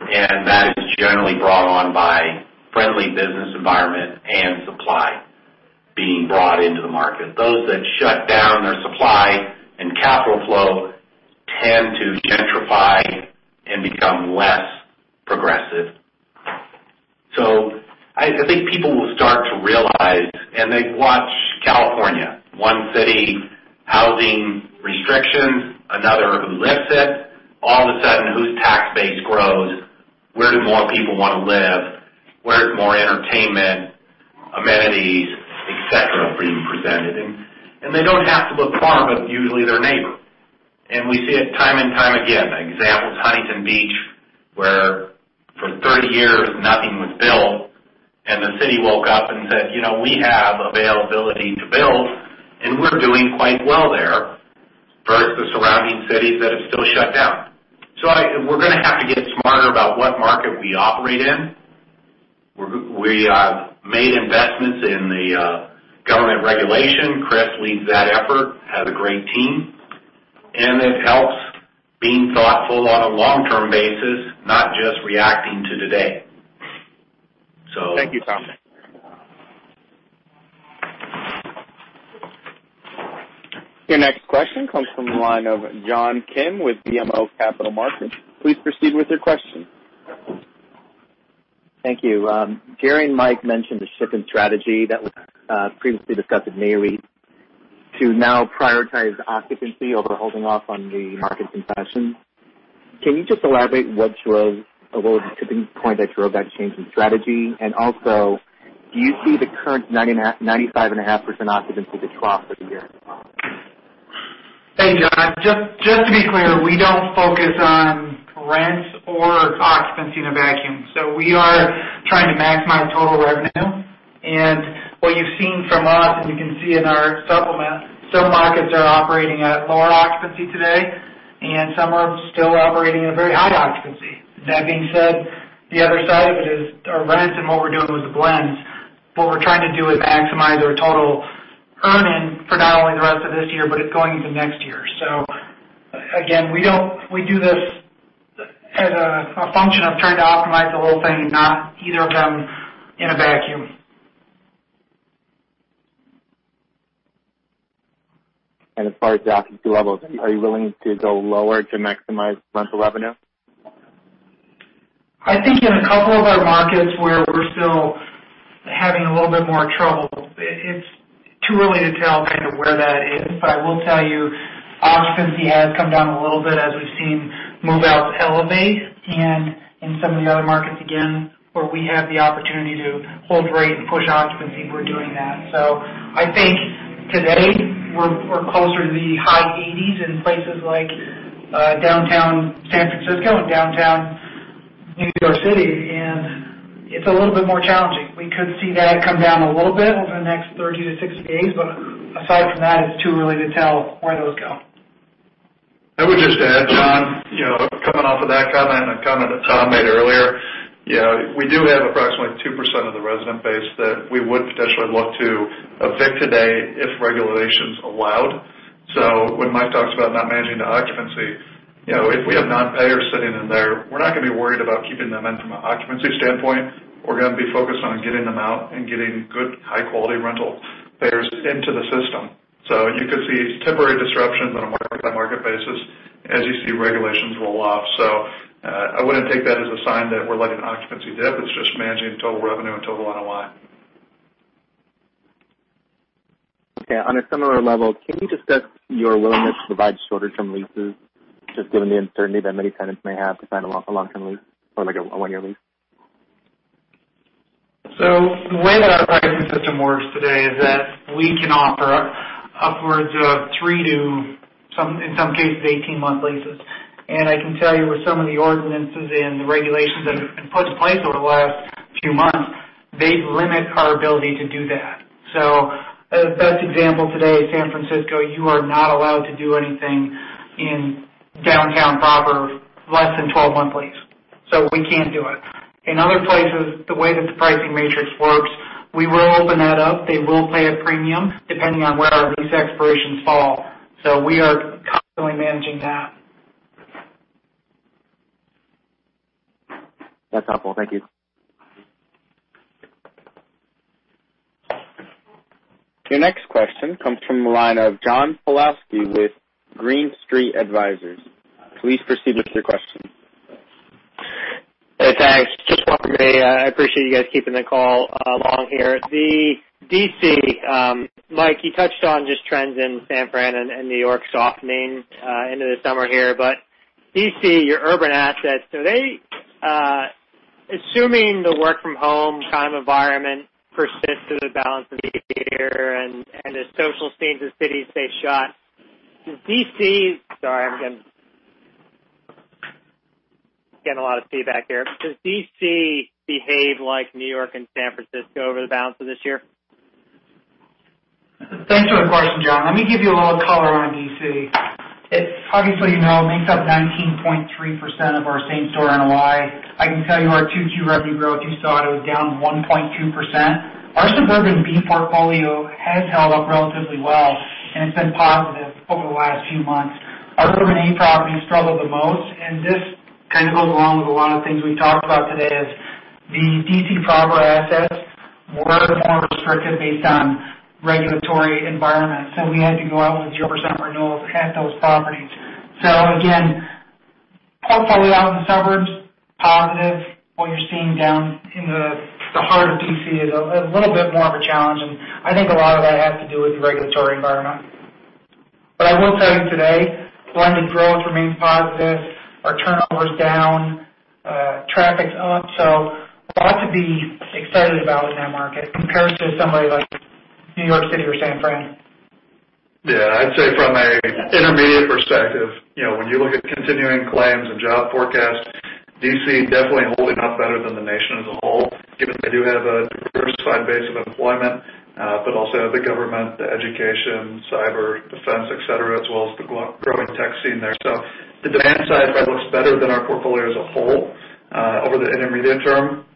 and that is generally brought on by friendly business environment and supply being brought into the market. Those that shut down their supply and capital flow tend to gentrify and become less progressive. I think people will start to realize, and they watch California, one city housing restrictions, another who lifts it. All of a sudden, whose tax base grows? Where do more people want to live? Where's more entertainment, amenities, et cetera, being presented? They don't have to look far but usually their neighbor. We see it time and time again. An example is Huntington Beach, where for 30 years nothing was built, and the city woke up and said, "We have availability to build, and we're doing quite well there," versus surrounding cities that have still shut down. We're going to have to get smarter about what market we operate in. We have made investments in the government regulation. Chris leads that effort, has a great team. It helps being thoughtful on a long-term basis, not just reacting to today. Thank you, Tom. Your next question comes from the line of John Kim with BMO Capital Markets. Please proceed with your question. Thank you. Jerry and Mike mentioned the shift in strategy that was previously discussed at Nareit to now prioritize occupancy over holding off on the market concessions. Can you just elaborate what was the tipping point that drove that change in strategy? Also, do you see the current 95.5% occupancy to trough for the year? Hey, John. Just to be clear, we don't focus on rents or occupancy in a vacuum. We are trying to maximize total revenue. What you've seen from us, and you can see in our supplement, some markets are operating at lower occupancy today, and some are still operating at very high occupancy. That being said, the other side of it is our rents and what we're doing with the blends, what we're trying to do is maximize our total earning for not only the rest of this year, but going into next year. Again, we do this as a function of trying to optimize the whole thing and not either of them in a vacuum. As far as the occupancy levels, are you willing to go lower to maximize rental revenue? I think in a couple of our markets where we're still having a little bit more trouble, it's too early to tell kind of where that is. I will tell you, occupancy has come down a little bit as we've seen move-outs elevate. In some of the other markets, again, where we have the opportunity to hold rate and push occupancy, we're doing that. I think today we're closer to the high 80s in places like downtown San Francisco and Downtown New York City, and it's a little bit more challenging. We could see that come down a little bit over the next 30 to 60 days, but aside from that, it's too early to tell where those go. I would just add, John, coming off of that comment and a comment that Tom made earlier. We do have approximately 2% of the resident base that we would potentially look to evict today if regulations allowed. When Mike talks about not managing the occupancy, if we have non-payers sitting in there, we're not going to be worried about keeping them in from an occupancy standpoint. We're going to be focused on getting them out and getting good high-quality rental payers into the system. You could see temporary disruptions on a market-by-market basis as you see regulations roll off. I wouldn't take that as a sign that we're letting occupancy dip. It's just managing total revenue and total NOI. On a similar level, can you discuss your willingness to provide shorter-term leases, just given the uncertainty that many tenants may have to sign a long-term lease or a one-year lease? The way that our pricing system works today is that we can offer upwards of three to, in some cases, 18-month leases. I can tell you with some of the ordinances and the regulations that have been put in place over the last few months, they limit our ability to do that. The best example today is San Francisco. You are not allowed to do anything in downtown proper, less than 12-month lease. We can't do it. In other places, the way that the pricing matrix works, we will open that up. They will pay a premium depending on where our lease expirations fall. We are constantly managing that. That's helpful. Thank you. Your next question comes from the line of John Pawlowski with Green Street Advisors. Please proceed with your question. Hey, thanks. Just one from me. I appreciate you guys keeping the call along here. Mike, you touched on just trends in San Fran and New York softening into the summer here, but D.C., your urban assets. Assuming the work from home kind of environment persists through the balance of the year and the social scenes of cities stay shut, Sorry, I'm getting a lot of feedback here. Does D.C. behave like New York and San Francisco over the balance of this year? Thanks for the question, John. Let me give you a little color on D.C. It obviously makes up 19.3% of our same-store NOI. I can tell you our Q2 revenue growth, you saw it was down 1.2%. Our suburban B portfolio has held up relatively well, and it's been positive over the last few months. Our urban A properties struggled the most, and this kind of goes along with a lot of the things we've talked about today, is the D.C. proper assets were more restricted based on regulatory environment. We had to go out with 0% renewals at those properties. Again, portfolio out in the suburbs, positive. What you're seeing down in the heart of D.C. is a little bit more of a challenge, and I think a lot of that has to do with the regulatory environment. I will tell you today, blended growth remains positive. Our turnover is down. Traffic's up. A lot to be excited about in that market compared to somebody like New York City or San Fran. Yeah, I'd say from an intermediate perspective, when you look at continuing claims and job forecasts, D.C. definitely holding up better than the nation as a whole, given they do have a diversified base of employment. Also the government, the education, cyber defense, et cetera, as well as the growing tech scene there. The demand side probably looks better than our portfolio as a whole, over the intermediate term.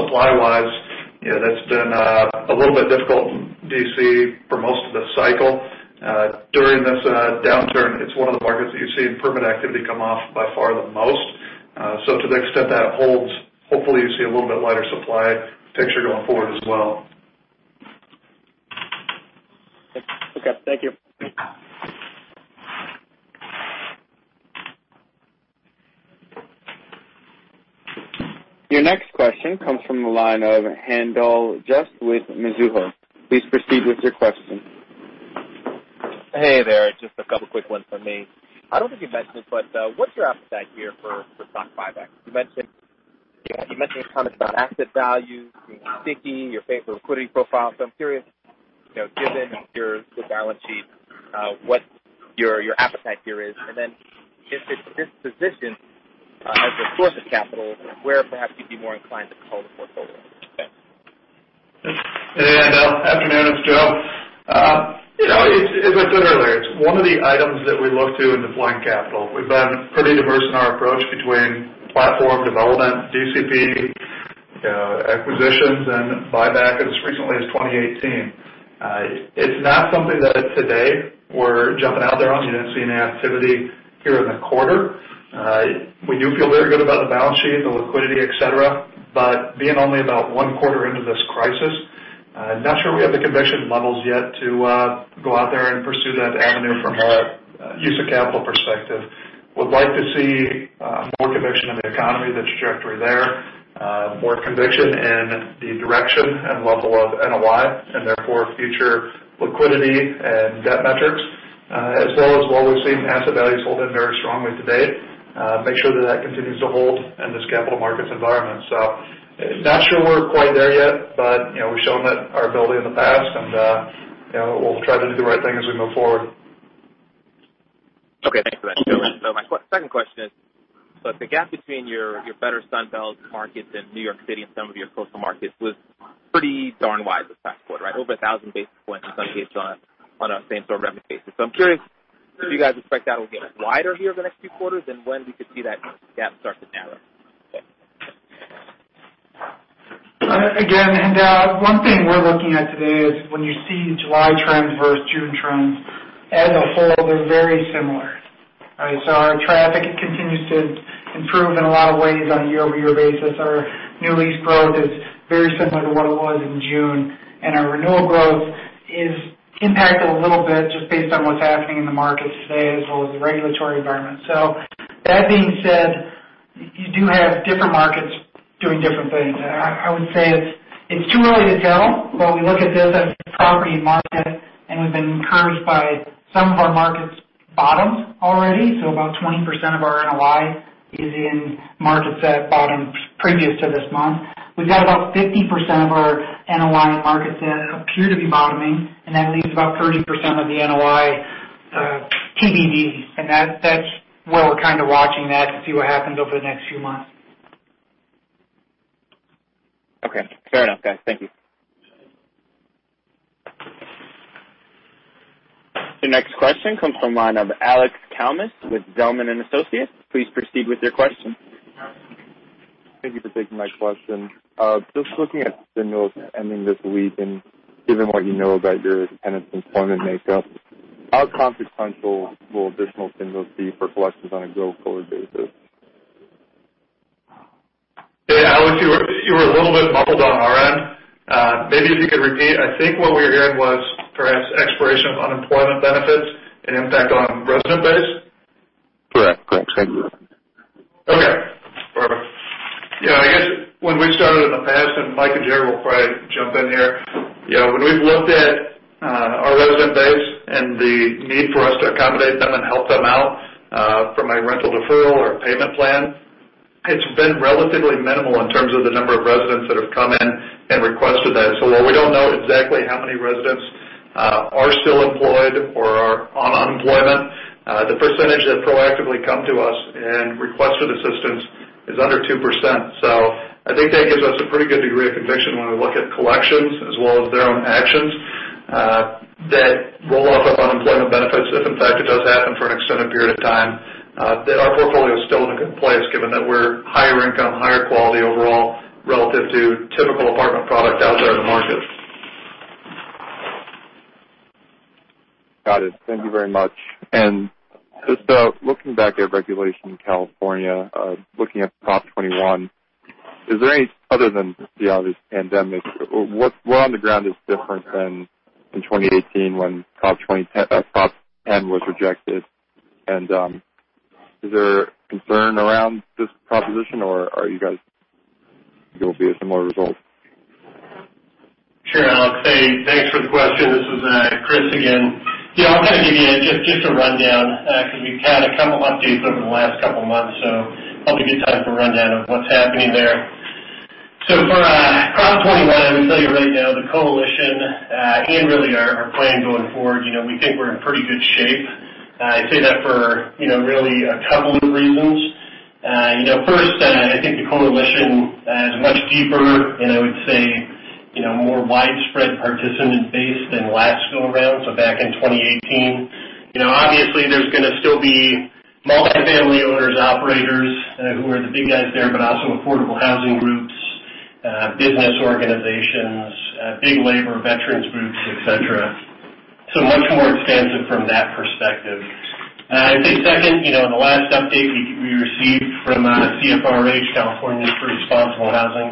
Supply-wise, that's been a little bit difficult in D.C. for most of this cycle. During this downturn, it's one of the markets that you've seen permit activity come off by far the most. To the extent that holds, hopefully you see a little bit lighter supply picture going forward as well. Okay. Thank you. Your next question comes from the line of Haendel St. Juste with Mizuho. Please proceed with your question. Hey there. Just a couple quick ones from me. I don't think you mentioned, but what's your appetite here for stock buybacks? You mentioned comments about asset value being sticky, your favorite liquidity profile. I'm curious, given your balance sheet, what your appetite here is, and then if it's disposition as a source of capital, where perhaps you'd be more inclined to cull the portfolio. Hey, Haendel. Afternoon. It's Joe. As I said earlier, it's one of the items that we look to in deploying capital. We've been pretty diverse in our approach between platform development, DCP acquisitions, and buybacks as recently as 2018. It's not something that today we're jumping out there on. You didn't see any activity here in the quarter. We do feel very good about the balance sheet, the liquidity, et cetera, but being only about one quarter into this crisis, not sure we have the conviction levels yet to go out there and pursue that avenue from a use of capital perspective. Would like to see more conviction in the economy, the trajectory there, more conviction in the direction and level of NOI, and therefore future liquidity and debt metrics, as well as while we've seen asset values holding very strongly to date, make sure that continues to hold in this capital markets environment. Not sure we're quite there yet, but we've shown our ability in the past and we'll try to do the right thing as we move forward. Okay. Thanks for that, Joe. My second question is, if the gap between your better Sun Belt markets and New York City and some of your coastal markets was pretty darn wide this past quarter, right? Over 1,000 basis points in some cases on a same-store revenue basis. I'm curious if you guys expect that'll get wider here the next few quarters and when we could see that gap start to narrow? Again, Haendel, one thing we're looking at today is when you see July trends versus June trends, as a whole, they're very similar. Our traffic continues to improve in a lot of ways on a year-over-year basis. Our new lease growth is very similar to what it was in June, and our renewal growth is impacted a little bit just based on what's happening in the markets today as well as the regulatory environment. That being said, you do have different markets doing different things. I would say it's too early to tell, but we look at this as a property market, and we've been encouraged by some of our markets bottomed already. About 20% of our NOI is in markets that have bottomed previous to this month. We've got about 50% of our NOI in markets that appear to be bottoming, and at least about 30% of the NOI TBD. That's where we're kind of watching that to see what happens over the next few months. Okay. Fair enough, guys. Thank you. The next question comes from line of Alex Kalmus with Zelman & Associates. Please proceed with your question. Thank you for taking my question. Just looking at stimulus ending this week, and given what you know about your tenant and employment makeup, how consequential will additional stimulus be for collections on a go-forward basis? Hey, Alex, you were a little bit muffled on our end. Maybe if you could repeat. I think what we were hearing was perhaps expiration of unemployment benefits and impact on resident base? Correct. Okay. Perfect. I guess when we've started in the past, Mike and Jerry will probably jump in here. When we've looked at our resident base and the need for us to accommodate them and help them out from a rental deferral or a payment plan, it's been relatively minimal in terms of the number of residents that have come in and requested that. While we don't know exactly how many residents are still employed or are on unemployment, the percentage that proactively come to us and requested assistance is under 2%. I think that gives us a pretty good degree of conviction when we look at collections as well as their own actions, that roll off of unemployment benefits, if in fact it does happen for an extended period of time, that our portfolio is still in a good place given that we're higher income, higher quality overall relative to typical apartment product out there in the market. Got it. Thank you very much. Just looking back at regulation in California, looking at Prop 21, other than the obvious pandemic, what on the ground is different than in 2018 when Prop 10 was rejected? Is there concern around this proposition, or are you guys It'll be a similar result? Sure, Alex. Hey, thanks for the question. This is Chris again. I'll kind of give you just a rundown, because we've had a couple updates over the last couple of months, thought it'd be time for a rundown of what's happening there. For Prop 21, I'm going to tell you right now, the coalition, and really our plan going forward, we think we're in pretty good shape. I say that for really a couple of reasons. First, I think the coalition is much deeper, and I would say more widespread participant base than last go around, back in 2018. Obviously, there's going to still be multi-family owners, operators who are the big guys there, but also affordable housing groups, business organizations, big labor veterans groups, et cetera. Much more expansive from that perspective. I'd say second, the last update we received from CFRH, Californians for Responsible Housing,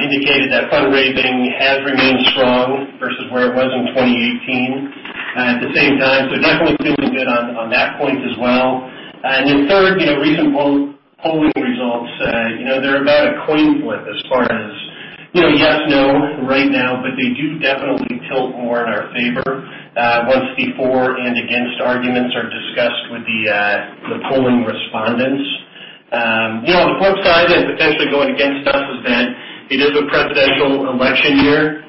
indicated that fundraising has remained strong versus where it was in 2018 at the same time. Definitely feeling good on that point as well. Then third, recent polling results. They're about a coin flip as far as yes/no right now, but they do definitely tilt more in our favor once the for and against arguments are discussed with the polling respondents. The flip side that's potentially going against us is that it is a presidential election year.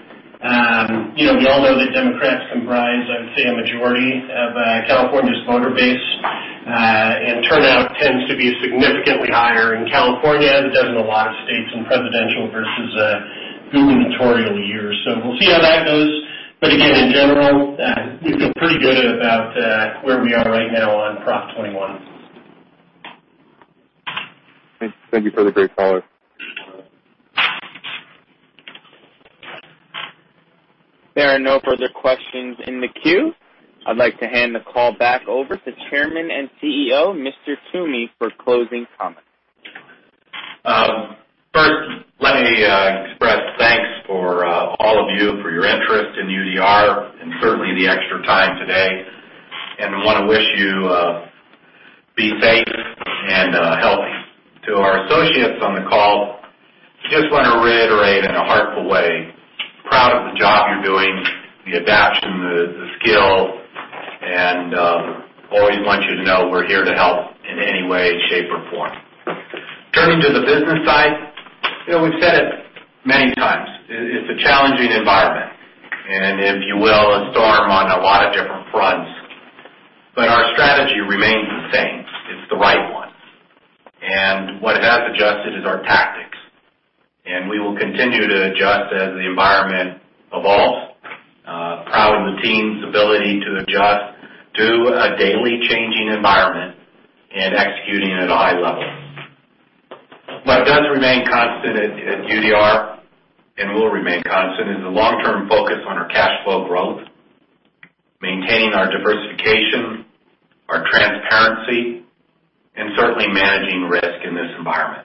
We all know that Democrats comprise, I would say, a majority of California's voter base, and turnout tends to be significantly higher in California as it does in a lot of states in presidential versus gubernatorial years. We'll see how that goes. Again, in general, we feel pretty good about where we are right now on Prop 21. Thank you for the great color. There are no further questions in the queue. I'd like to hand the call back over to Chairman and CEO, Mr. Toomey, for closing comments. Let me express thanks for all of you for your interest in UDR and certainly the extra time today. We want to wish you be safe and healthy. To our associates on the call, just want to reiterate in a heartfelt way, proud of the job you're doing, the adaptation, the skill, and always want you to know we're here to help in any way, shape, or form. Turning to the business side, we've said it many times. It's a challenging environment, and if you will, a storm on a lot of different fronts. Our strategy remains the same. It's the right one. What it has adjusted is our tactics. We will continue to adjust as the environment evolves. Proud of the team's ability to adjust to a daily changing environment and executing at a high level. What does remain constant at UDR, and will remain constant, is the long-term focus on our cash flow growth, maintaining our diversification, our transparency, and certainly managing risk in this environment.